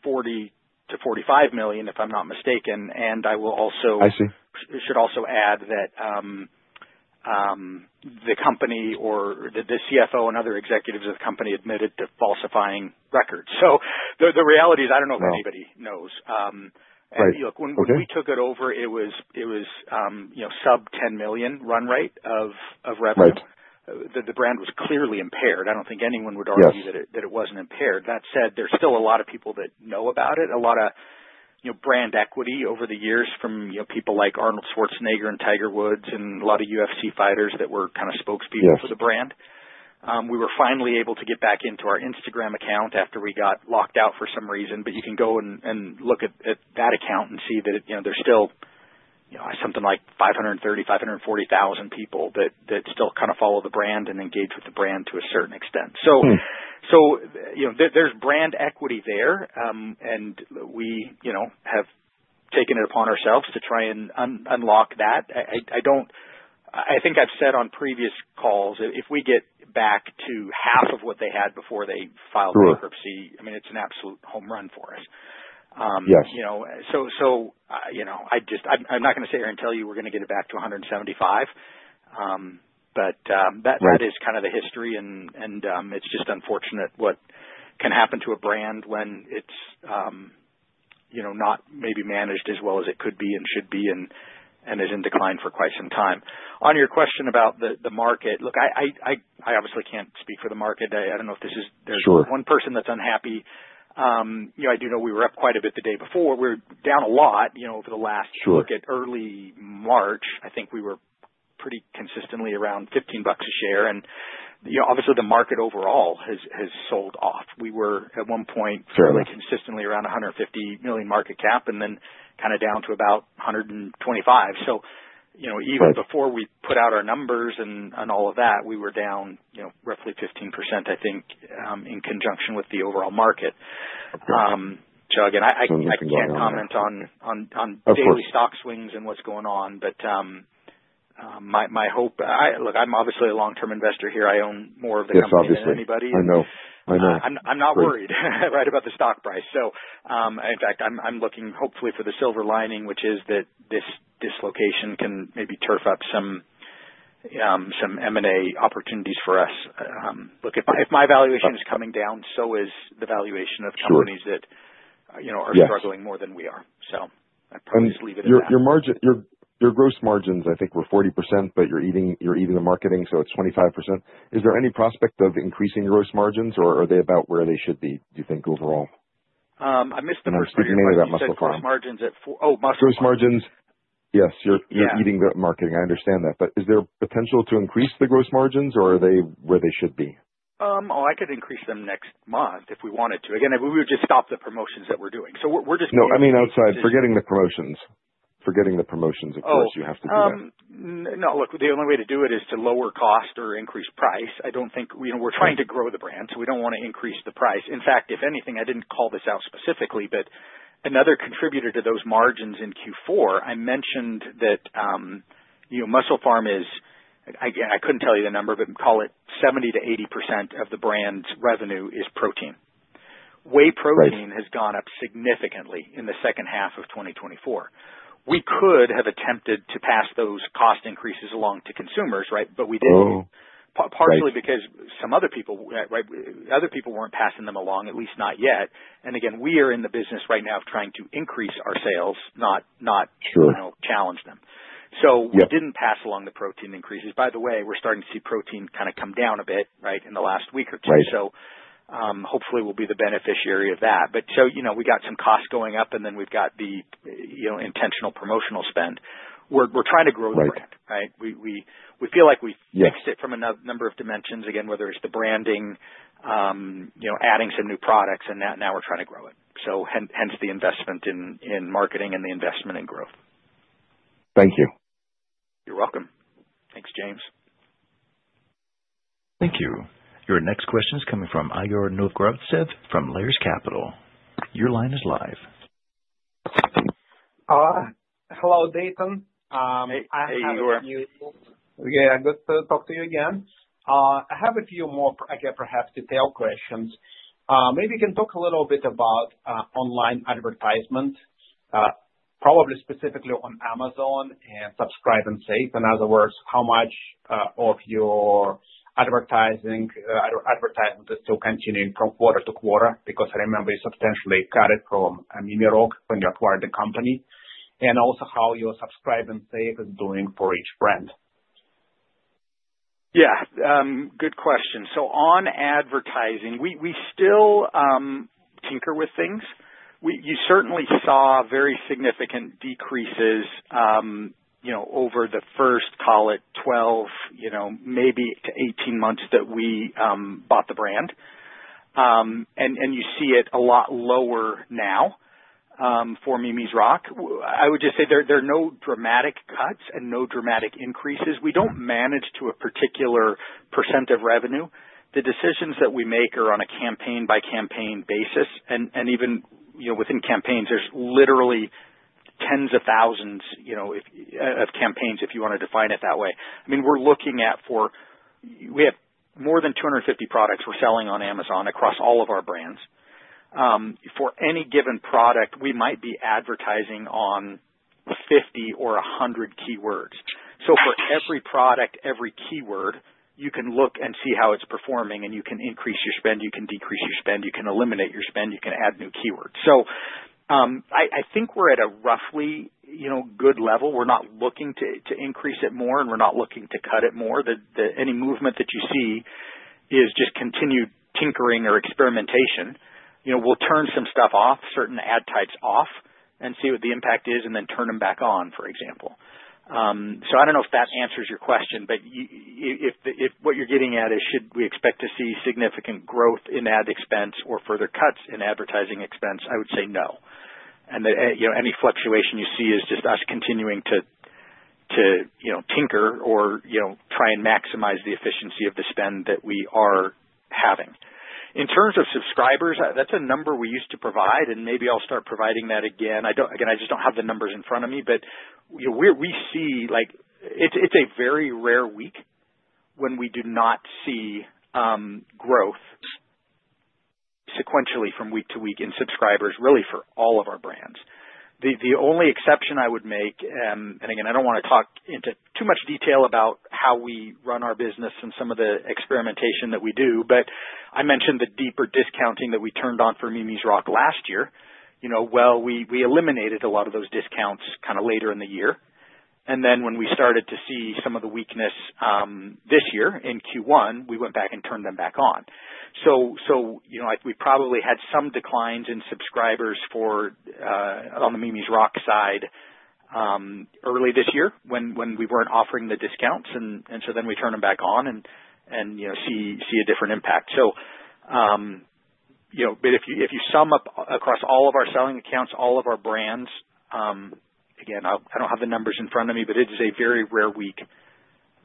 $40 million-$45 million, if I'm not mistaken. I should also add that the company or the CFO and other executives of the company admitted to falsifying records. The reality is I don't know if anybody knows. Look, when we took it over, it was sub $10 million run rate of revenue. The brand was clearly impaired. I do not think anyone would argue that it was not impaired. That said, there is still a lot of people that know about it, a lot of brand equity over the years from people like Arnold Schwarzenegger and Tiger Woods and a lot of UFC fighters that were kind of spokespeople for the brand. We were finally able to get back into our Instagram account after we got locked out for some reason, but you can go and look at that account and see that there is still something like 530,000, 540,000 people that still kind of follow the brand and engage with the brand to a certain extent. There is brand equity there, and we have taken it upon ourselves to try and unlock that. I think I've said on previous calls, if we get back to half of what they had before they filed bankruptcy, I mean, it's an absolute home run for us. I'm not going to sit here and tell you we're going to get it back to $175 million, but that is kind of the history, and it's just unfortunate what can happen to a brand when it's not maybe managed as well as it could be and should be and is in decline for quite some time. On your question about the market, look, I obviously can't speak for the market. I don't know if there's one person that's unhappy. I do know we were up quite a bit the day before. We're down a lot over the last, look at early March. I think we were pretty consistently around $15 a share. Obviously, the market overall has sold off. We were at one point consistently around $150 million market cap and then kind of down to about $125 million. Even before we put out our numbers and all of that, we were down roughly 15% in conjunction with the overall market. I cannot comment on daily stock swings and what is going on, but my hope—look, I am obviously a long-term investor here. I own more of the company than anybody. I am not worried, right, about the stock price. In fact, I am looking hopefully for the silver lining, which is that this dislocation can maybe turf up some M&A opportunities for us. If my valuation is coming down, so is the valuation of companies that are struggling more than we are. I will just leave it at that. Your gross margins, I think, were 40%, but you're eating the marketing, so it's 25%. Is there any prospect of increasing gross margins, or are they about where they should be, do you think, overall? I missed the first part. I think you're eating that MusclePharm margins. Oh, MusclePharm margins. Gross margins, yes, you're eating the marketing. I understand that. Is there potential to increase the gross margins, or are they where they should be? Oh, I could increase them next month if we wanted to. Again, we would just stop the promotions that we're doing. We're just. No, I mean, outside, forgetting the promotions. Forgetting the promotions, of course, you have to do that. No, look, the only way to do it is to lower cost or increase price. I do not think we are trying to grow the brand, so we do not want to increase the price. In fact, if anything, I did not call this out specifically, but another contributor to those margins in Q4, I mentioned that MusclePharm is, again, I could not tell you the number, but call it 70-80% of the brand's revenue is protein. Whey protein has gone up significantly in the second half of 2024. We could have attempted to pass those cost increases along to consumers, right? We did not, partially because some other people, right? Other people were not passing them along, at least not yet. Again, we are in the business right now of trying to increase our sales, not challenge them. We did not pass along the protein increases. By the way, we're starting to see protein kind of come down a bit, right, in the last week or two. Hopefully, we'll be the beneficiary of that. We got some cost going up, and then we've got the intentional promotional spend. We're trying to grow the brand, right? We feel like we've fixed it from a number of dimensions, again, whether it's the branding, adding some new products, and now we're trying to grow it. Hence the investment in marketing and the investment in growth. Thank you. You're welcome. Thanks, James. Thank you. Your next question is coming from Igor Novgorodtsev from Lares Capital. Your line is live. Hello, Dayton. Hey, how are you? Yeah, good to talk to you again. I have a few more, again, perhaps detailed questions. Maybe you can talk a little bit about online advertisement, probably specifically on Amazon and Subscribe & Save. In other words, how much of your advertising is still continuing from quarter to quarter? Because I remember you substantially cut it from Mimi's Rock when you acquired the company. Also, how your Subscribe & Save is doing for each brand. Yeah. Good question. On advertising, we still tinker with things. You certainly saw very significant decreases over the first, call it 12, maybe 18 months that we bought the brand. You see it a lot lower now for Mimi's Rock. I would just say there are no dramatic cuts and no dramatic increases. We do not manage to a particular percent of revenue. The decisions that we make are on a campaign-by-campaign basis. Even within campaigns, there are literally tens of thousands of campaigns, if you want to define it that way. I mean, we are looking at, for we have more than 250 products we are selling on Amazon across all of our brands. For any given product, we might be advertising on 50 or 100 keywords. For every product, every keyword, you can look and see how it's performing, and you can increase your spend, you can decrease your spend, you can eliminate your spend, you can add new keywords. I think we're at a roughly good level. We're not looking to increase it more, and we're not looking to cut it more. Any movement that you see is just continued tinkering or experimentation. We'll turn some stuff off, certain ad types off, and see what the impact is, and then turn them back on, for example. I don't know if that answers your question, but if what you're getting at is should we expect to see significant growth in ad expense or further cuts in advertising expense, I would say no. Any fluctuation you see is just us continuing to tinker or try and maximize the efficiency of the spend that we are having. In terms of subscribers, that's a number we used to provide, and maybe I'll start providing that again. Again, I just don't have the numbers in front of me, but we see it's a very rare week when we do not see growth sequentially from week to week in subscribers, really for all of our brands. The only exception I would make, and again, I don't want to talk into too much detail about how we run our business and some of the experimentation that we do, but I mentioned the deeper discounting that we turned on for Mimi's Rock last year. We eliminated a lot of those discounts kind of later in the year. When we started to see some of the weakness this year in Q1, we went back and turned them back on. We probably had some declines in subscribers on the Mimi's Rock side early this year when we were not offering the discounts, and then we turned them back on and see a different impact. If you sum up across all of our selling accounts, all of our brands, again, I do not have the numbers in front of me, but it is a very rare week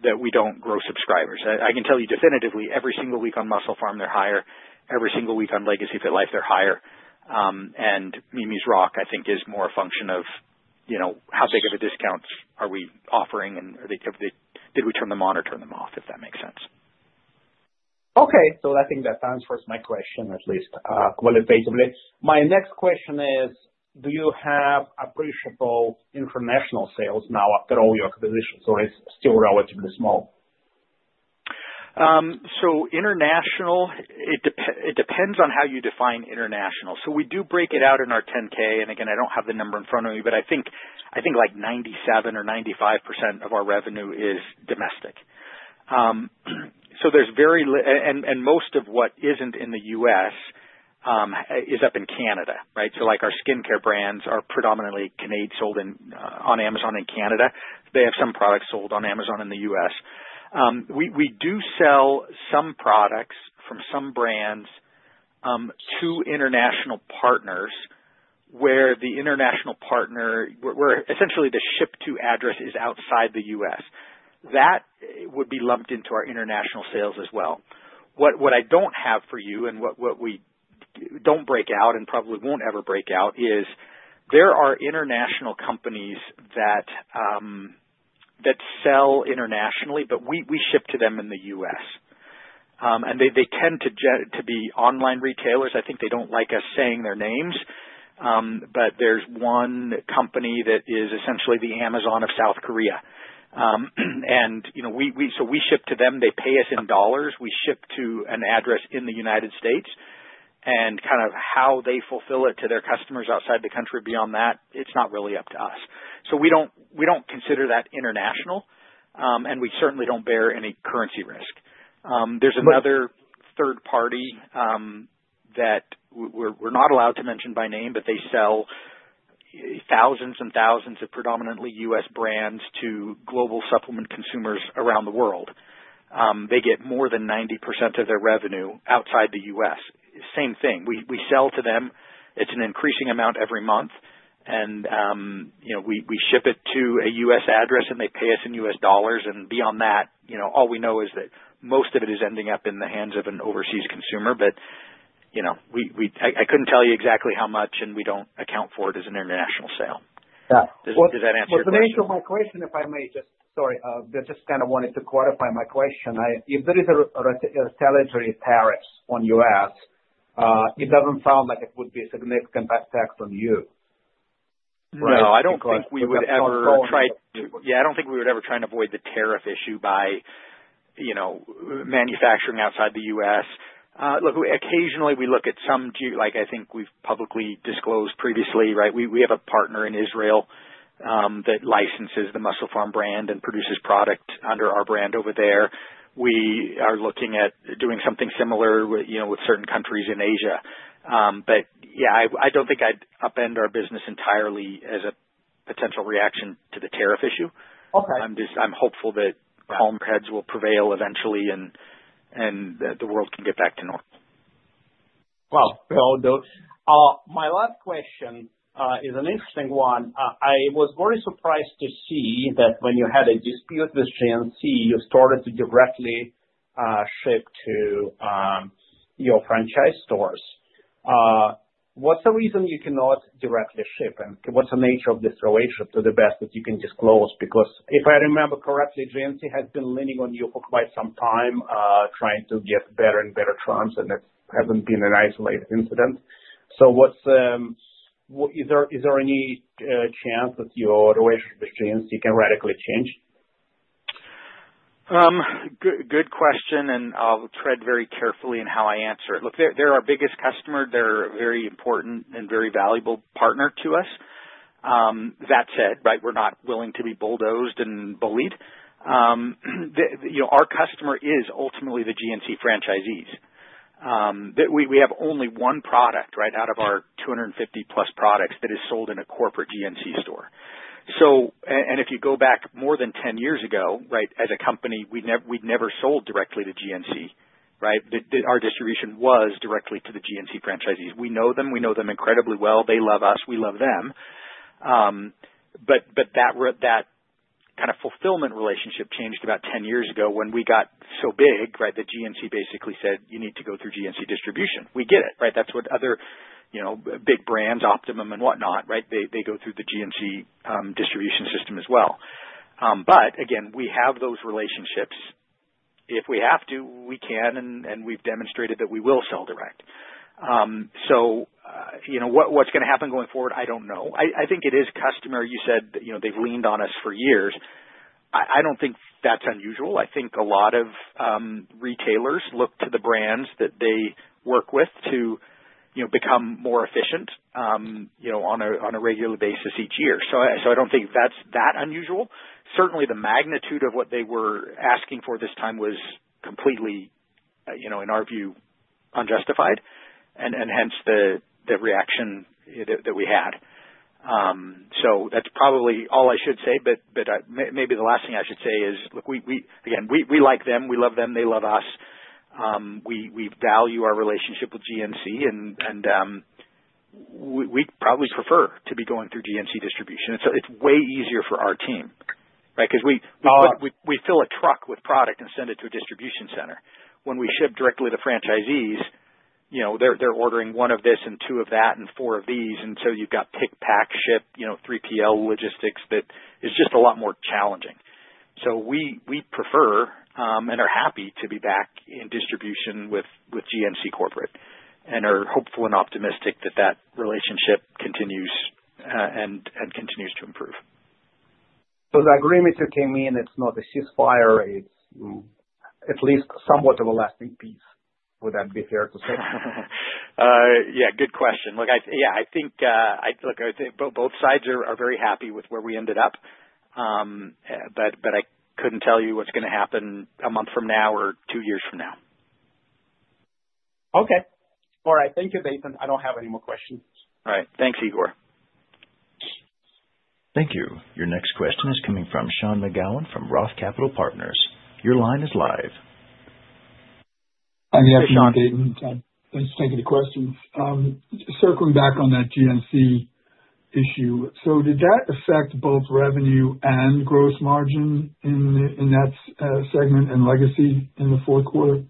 that we do not grow subscribers. I can tell you definitively, every single week on MusclePharm, they are higher. Every single week on Legacy FitLife, they are higher. Mimi's Rock, I think, is more a function of how big of a discount are we offering, and did we turn them on or turn them off, if that makes sense. Okay. I think that answers my question, at least qualitatively. My next question is, do you have appreciable international sales now after all your acquisitions, or is it still relatively small? International, it depends on how you define international. We do break it out in our 10-K, and again, I do not have the number in front of me, but I think like 97% or 95% of our revenue is domestic. There is very—and most of what is not in the U.S. is up in Canada, right? Our skincare brands are predominantly Canadian, sold on Amazon in Canada. They have some products sold on Amazon in the U.S. We do sell some products from some brands to international partners where the international partner, where essentially the ship-to address is outside the U.S. That would be lumped into our international sales as well. What I do not have for you and what we do not break out and probably will not ever break out is there are international companies that sell internationally, but we ship to them in the U.S. They tend to be online retailers. I think they do not like us saying their names, but there is one company that is essentially the Amazon of South Korea. We ship to them. They pay us in dollars. We ship to an address in the United States. How they fulfill it to their customers outside the country beyond that is not really up to us. We do not consider that international, and we certainly do not bear any currency risk. There is another third party that we are not allowed to mention by name, but they sell thousands and thousands of predominantly U.S. brands to global supplement consumers around the world. They get more than 90% of their revenue outside the U.S. Same thing. We sell to them. It is an increasing amount every month, and we ship it to a U.S. address, and they pay us in U.S. dollars. Beyond that, all we know is that most of it is ending up in the hands of an overseas consumer, but I couldn't tell you exactly how much, and we don't account for it as an international sale. Does that answer your question? To answer my question, if I may, just—sorry. I just kind of wanted to clarify my question. If there is a retaliatory tariff on the U.S., it does not sound like it would be a significant tax on you, right? No, I don't think we would ever try—yeah, I don't think we would ever try and avoid the tariff issue by manufacturing outside the U.S. Look, occasionally we look at some—like I think we've publicly disclosed previously, right? We have a partner in Israel that licenses the MusclePharm brand and produces products under our brand over there. We are looking at doing something similar with certain countries in Asia. Yeah, I don't think I'd upend our business entirely as a potential reaction to the tariff issue. I'm hopeful that calm heads will prevail eventually and that the world can get back to normal. My last question is an interesting one. I was very surprised to see that when you had a dispute with GNC, you started to directly ship to your franchise stores. What's the reason you cannot directly ship, and what's the nature of this relationship to the best that you can disclose? Because if I remember correctly, GNC has been leaning on you for quite some time trying to get better and better terms, and it hasn't been an isolated incident. Is there any chance that your relationship with GNC can radically change? Good question, and I'll tread very carefully in how I answer it. Look, they're our biggest customer. They're a very important and very valuable partner to us. That said, right, we're not willing to be bulldozed and bullied. Our customer is ultimately the GNC franchisees. We have only one product, right, out of our 250-plus products that is sold in a corporate GNC store. And if you go back more than 10 years ago, right, as a company, we'd never sold directly to GNC, right? Our distribution was directly to the GNC franchisees. We know them. We know them incredibly well. They love us. We love them. That kind of fulfillment relationship changed about 10 years ago when we got so big, right, that GNC basically said, "You need to go through GNC distribution." We get it, right? That's what other big brands, Optimum and whatnot, right? They go through the GNC distribution system as well. Again, we have those relationships. If we have to, we can, and we've demonstrated that we will sell direct. What's going to happen going forward? I don't know. I think it is customer. You said they've leaned on us for years. I don't think that's unusual. I think a lot of retailers look to the brands that they work with to become more efficient on a regular basis each year. I don't think that's that unusual. Certainly, the magnitude of what they were asking for this time was completely, in our view, unjustified, and hence the reaction that we had. That's probably all I should say, but maybe the last thing I should say is, look, again, we like them. We love them. They love us. We value our relationship with GNC, and we probably prefer to be going through GNC distribution. It's way easier for our team, right? Because we fill a truck with product and send it to a distribution center. When we ship directly to franchisees, they're ordering one of this and two of that and four of these. And so you've got pick, pack, ship, 3PL logistics that is just a lot more challenging. We prefer and are happy to be back in distribution with GNC Corporate and are hopeful and optimistic that that relationship continues and continues to improve. The agreement you came in, it's not a ceasefire. It's at least somewhat of a lasting peace, would I be fair to say? Yeah. Good question. Look, yeah, I think both sides are very happy with where we ended up, but I couldn't tell you what's going to happen a month from now or two years from now. Okay. All right. Thank you, Dayton. I don't have any more questions. All right. Thanks, Igor. Thank you. Your next question is coming from Sean McGowan from Roth Capital Partners. Your line is live. Hi, yes, Sean. Thanks for taking the questions. Circling back on that GNC issue, did that affect both revenue and gross margin in that segment and Legacy in the fourth quarter?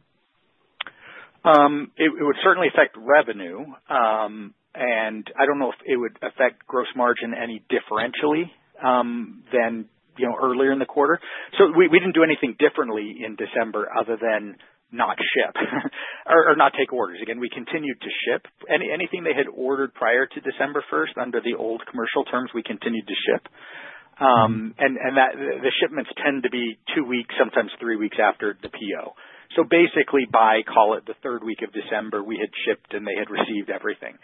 It would certainly affect revenue, and I don't know if it would affect gross margin any differentially than earlier in the quarter. We didn't do anything differently in December other than not ship or not take orders. Again, we continued to ship. Anything they had ordered prior to December 1 under the old commercial terms, we continued to ship. The shipments tend to be two weeks, sometimes three weeks after the PO. Basically, by, call it the third week of December, we had shipped, and they had received everything.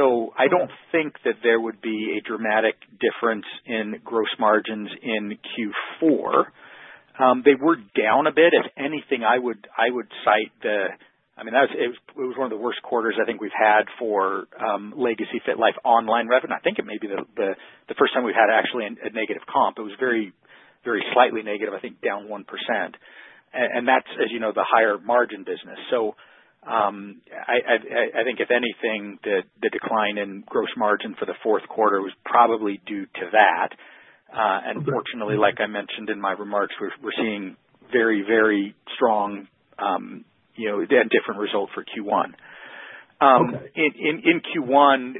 I don't think that there would be a dramatic difference in gross margins in Q4. They were down a bit. If anything, I would cite the—I mean, it was one of the worst quarters I think we've had for Legacy FitLife online revenue. I think it may be the first time we've had actually a negative comp. It was very slightly negative, I think, down 1%. That is, as you know, the higher margin business. I think, if anything, the decline in gross margin for the fourth quarter was probably due to that. Fortunately, like I mentioned in my remarks, we're seeing very, very strong and different results for Q1. In Q1,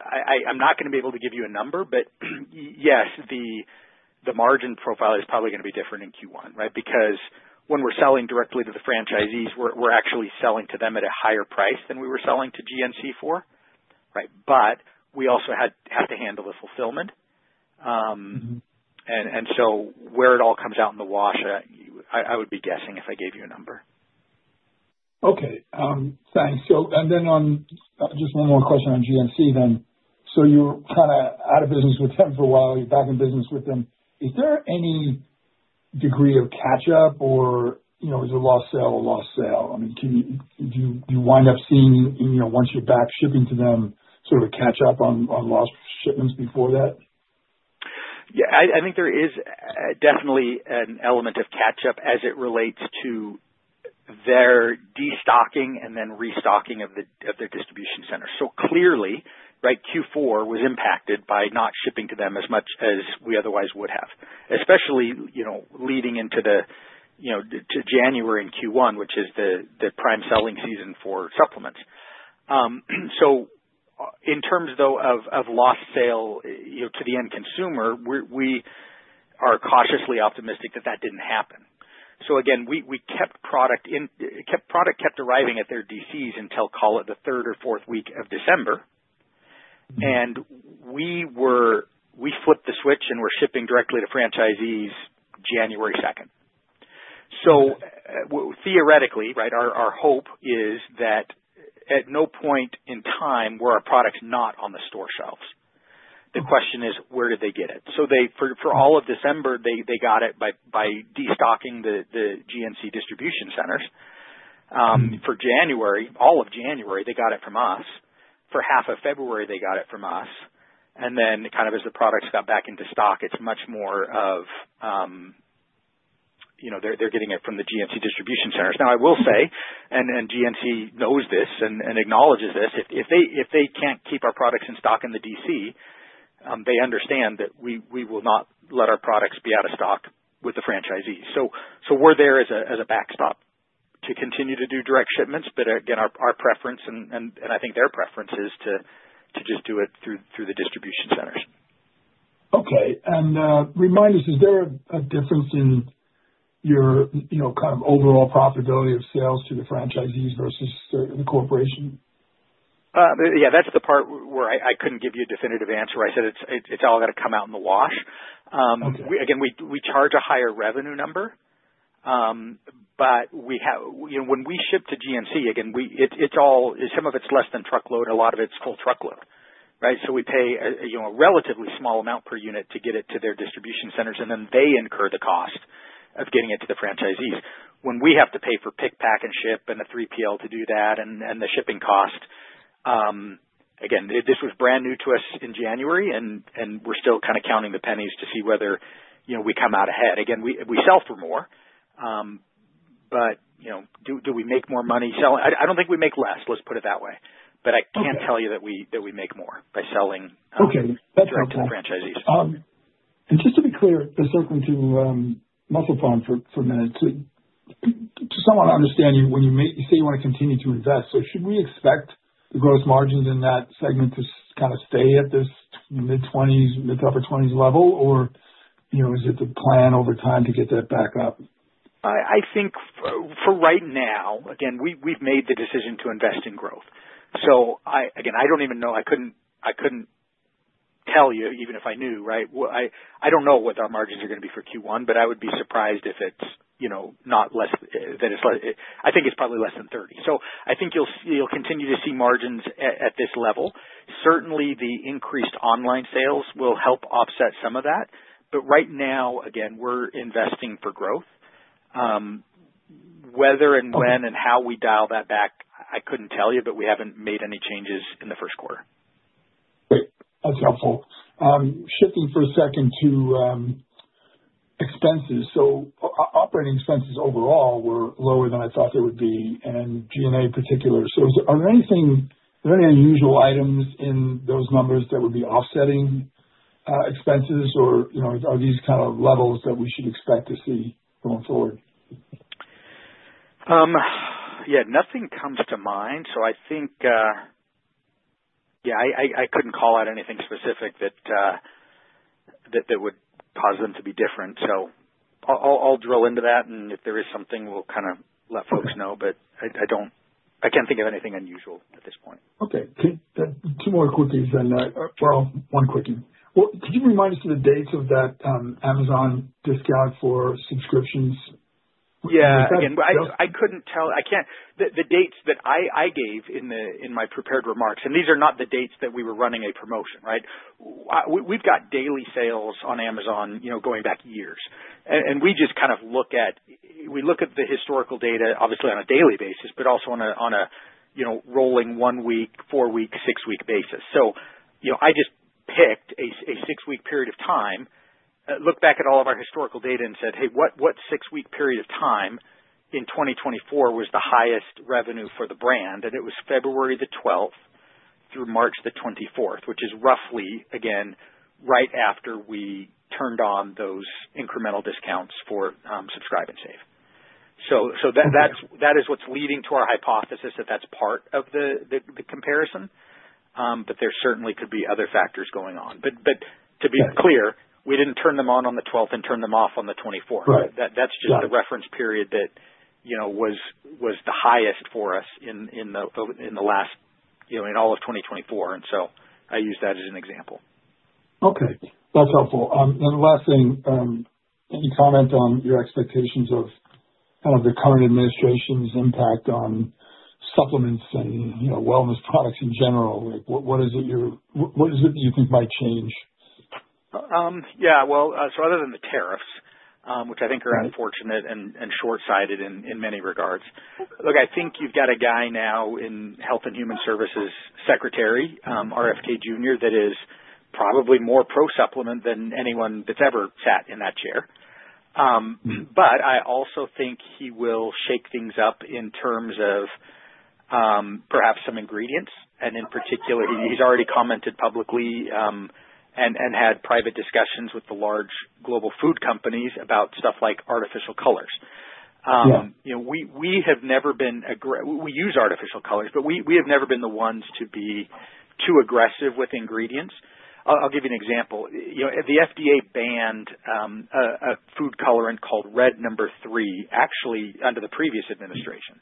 I'm not going to be able to give you a number, but yes, the margin profile is probably going to be different in Q1, right? Because when we're selling directly to the franchisees, we're actually selling to them at a higher price than we were selling to GNC for, right? We also have to handle the fulfillment. Where it all comes out in the wash, I would be guessing if I gave you a number. Okay. Thanks. Just one more question on GNC then. You were kind of out of business with them for a while. You're back in business with them. Is there any degree of catch-up, or is it a lost sale or lost sale? I mean, do you wind up seeing, once you're back shipping to them, sort of a catch-up on lost shipments before that? Yeah. I think there is definitely an element of catch-up as it relates to their destocking and then restocking of their distribution center. Clearly, right, Q4 was impacted by not shipping to them as much as we otherwise would have, especially leading into January in Q1, which is the prime selling season for supplements. In terms, though, of lost sale to the end consumer, we are cautiously optimistic that that did not happen. Again, we kept product—product kept arriving at their DCs until, call it the third or fourth week of December. We flipped the switch, and we are shipping directly to franchisees January 2nd. Theoretically, right, our hope is that at no point in time were our products not on the store shelves. The question is, where did they get it? For all of December, they got it by destocking the GNC distribution centers. For January, all of January, they got it from us. For half of February, they got it from us. As the products got back into stock, it is much more of they're getting it from the GNC distribution centers. I will say, and GNC knows this and acknowledges this, if they cannot keep our products in stock in the DC, they understand that we will not let our products be out of stock with the franchisees. We are there as a backstop to continue to do direct shipments. Again, our preference, and I think their preference, is to just do it through the distribution centers. Okay. Remind us, is there a difference in your kind of overall profitability of sales to the franchisees versus the corporation? Yeah. That's the part where I couldn't give you a definitive answer. I said it's all going to come out in the wash. Again, we charge a higher revenue number, but when we ship to GNC, again, some of it's less than truckload. A lot of it's full truckload, right? So we pay a relatively small amount per unit to get it to their distribution centers, and then they incur the cost of getting it to the franchisees. When we have to pay for pick, pack, and ship and a 3PL to do that and the shipping cost, again, this was brand new to us in January, and we're still kind of counting the pennies to see whether we come out ahead. Again, we sell for more, but do we make more money selling? I don't think we make less. Let's put it that way. I can't tell you that we make more by selling to the franchisees. Just to be clear, circling to MusclePharm for a minute, to someone understand you, when you say you want to continue to invest, should we expect the gross margins in that segment to kind of stay at this mid-20s, mid-to-upper 20s level, or is it the plan over time to get that back up? I think for right now, again, we've made the decision to invest in growth. Again, I don't even know. I couldn't tell you, even if I knew, right? I don't know what our margins are going to be for Q1, but I would be surprised if it's not less than it's—I think it's probably less than 30. I think you'll continue to see margins at this level. Certainly, the increased online sales will help offset some of that. Right now, again, we're investing for growth. Whether and when and how we dial that back, I couldn't tell you, but we haven't made any changes in the first quarter. Great. That's helpful. Shifting for a second to expenses. Operating expenses overall were lower than I thought they would be, and G&A in particular. Are there any unusual items in those numbers that would be offsetting expenses, or are these kind of levels that we should expect to see going forward? Yeah. Nothing comes to mind. I think, yeah, I could not call out anything specific that would cause them to be different. I will drill into that, and if there is something, we will kind of let folks know. I cannot think of anything unusual at this point. Okay. Two more quick things then. One quick thing. Could you remind us of the dates of that Amazon discount for subscriptions? Yeah. Again, I couldn't tell. The dates that I gave in my prepared remarks, and these are not the dates that we were running a promotion, right? We've got daily sales on Amazon going back years. We just kind of look at—we look at the historical data, obviously, on a daily basis, but also on a rolling one-week, four-week, six-week basis. I just picked a six-week period of time, looked back at all of our historical data, and said, "Hey, what six-week period of time in 2024 was the highest revenue for the brand?" It was February 12 through March 24, which is roughly, again, right after we turned on those incremental discounts for Subscribe and Save. That is what's leading to our hypothesis that that's part of the comparison. There certainly could be other factors going on. To be clear, we didn't turn them on on the 12th and turn them off on the 24th. That's just the reference period that was the highest for us in the last, in all of 2024. I use that as an example. Okay. That's helpful. The last thing, any comment on your expectations of kind of the current administration's impact on supplements and wellness products in general? What is it you think might change? Yeah. Other than the tariffs, which I think are unfortunate and short-sighted in many regards, look, I think you've got a guy now in Health and Human Services, Secretary Robert F. Kennedy Jr., that is probably more pro-supplement than anyone that's ever sat in that chair. I also think he will shake things up in terms of perhaps some ingredients. In particular, he's already commented publicly and had private discussions with the large global food companies about stuff like artificial colors. We have never been—we use artificial colors, but we have never been the ones to be too aggressive with ingredients. I'll give you an example. The FDA banned a food colorant called Red No. 3, actually, under the previous administration.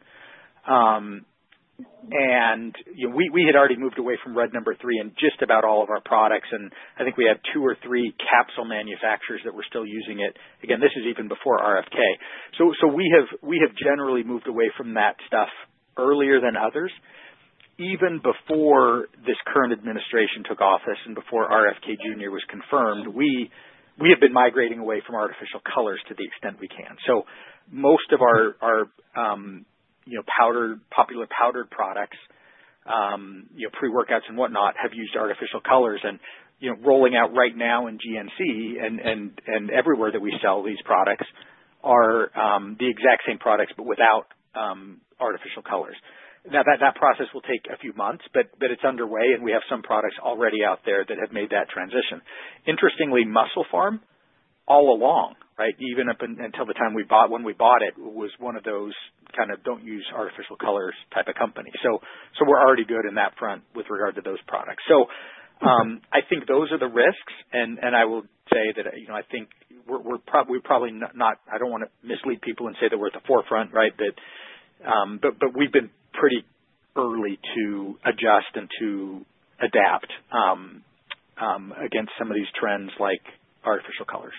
We had already moved away from Red No. 3 in just about all of our products. I think we had two or three capsule manufacturers that were still using it. Again, this is even before RFK. We have generally moved away from that stuff earlier than others. Even before this current administration took office and before RFK Jr. was confirmed, we have been migrating away from artificial colors to the extent we can. Most of our popular powdered products, pre-workouts and whatnot, have used artificial colors. Rolling out right now in GNC and everywhere that we sell these products are the exact same products, but without artificial colors. That process will take a few months, but it is underway, and we have some products already out there that have made that transition. Interestingly, MusclePharm, all along, even until the time when we bought it, was one of those kind of don't use artificial colors type of company. We're already good in that front with regard to those products. I think those are the risks. I will say that I think we're probably not—I don't want to mislead people and say that we're at the forefront, right? We've been pretty early to adjust and to adapt against some of these trends like artificial colors.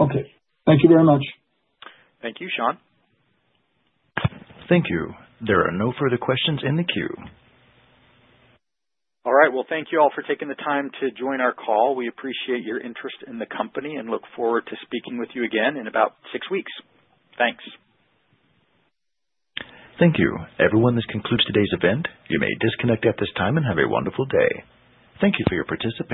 Okay. Thank you very much. Thank you, Sean. Thank you. There are no further questions in the queue. All right. Thank you all for taking the time to join our call. We appreciate your interest in the company and look forward to speaking with you again in about six weeks. Thanks. Thank you. Everyone, this concludes today's event. You may disconnect at this time and have a wonderful day. Thank you for your participation.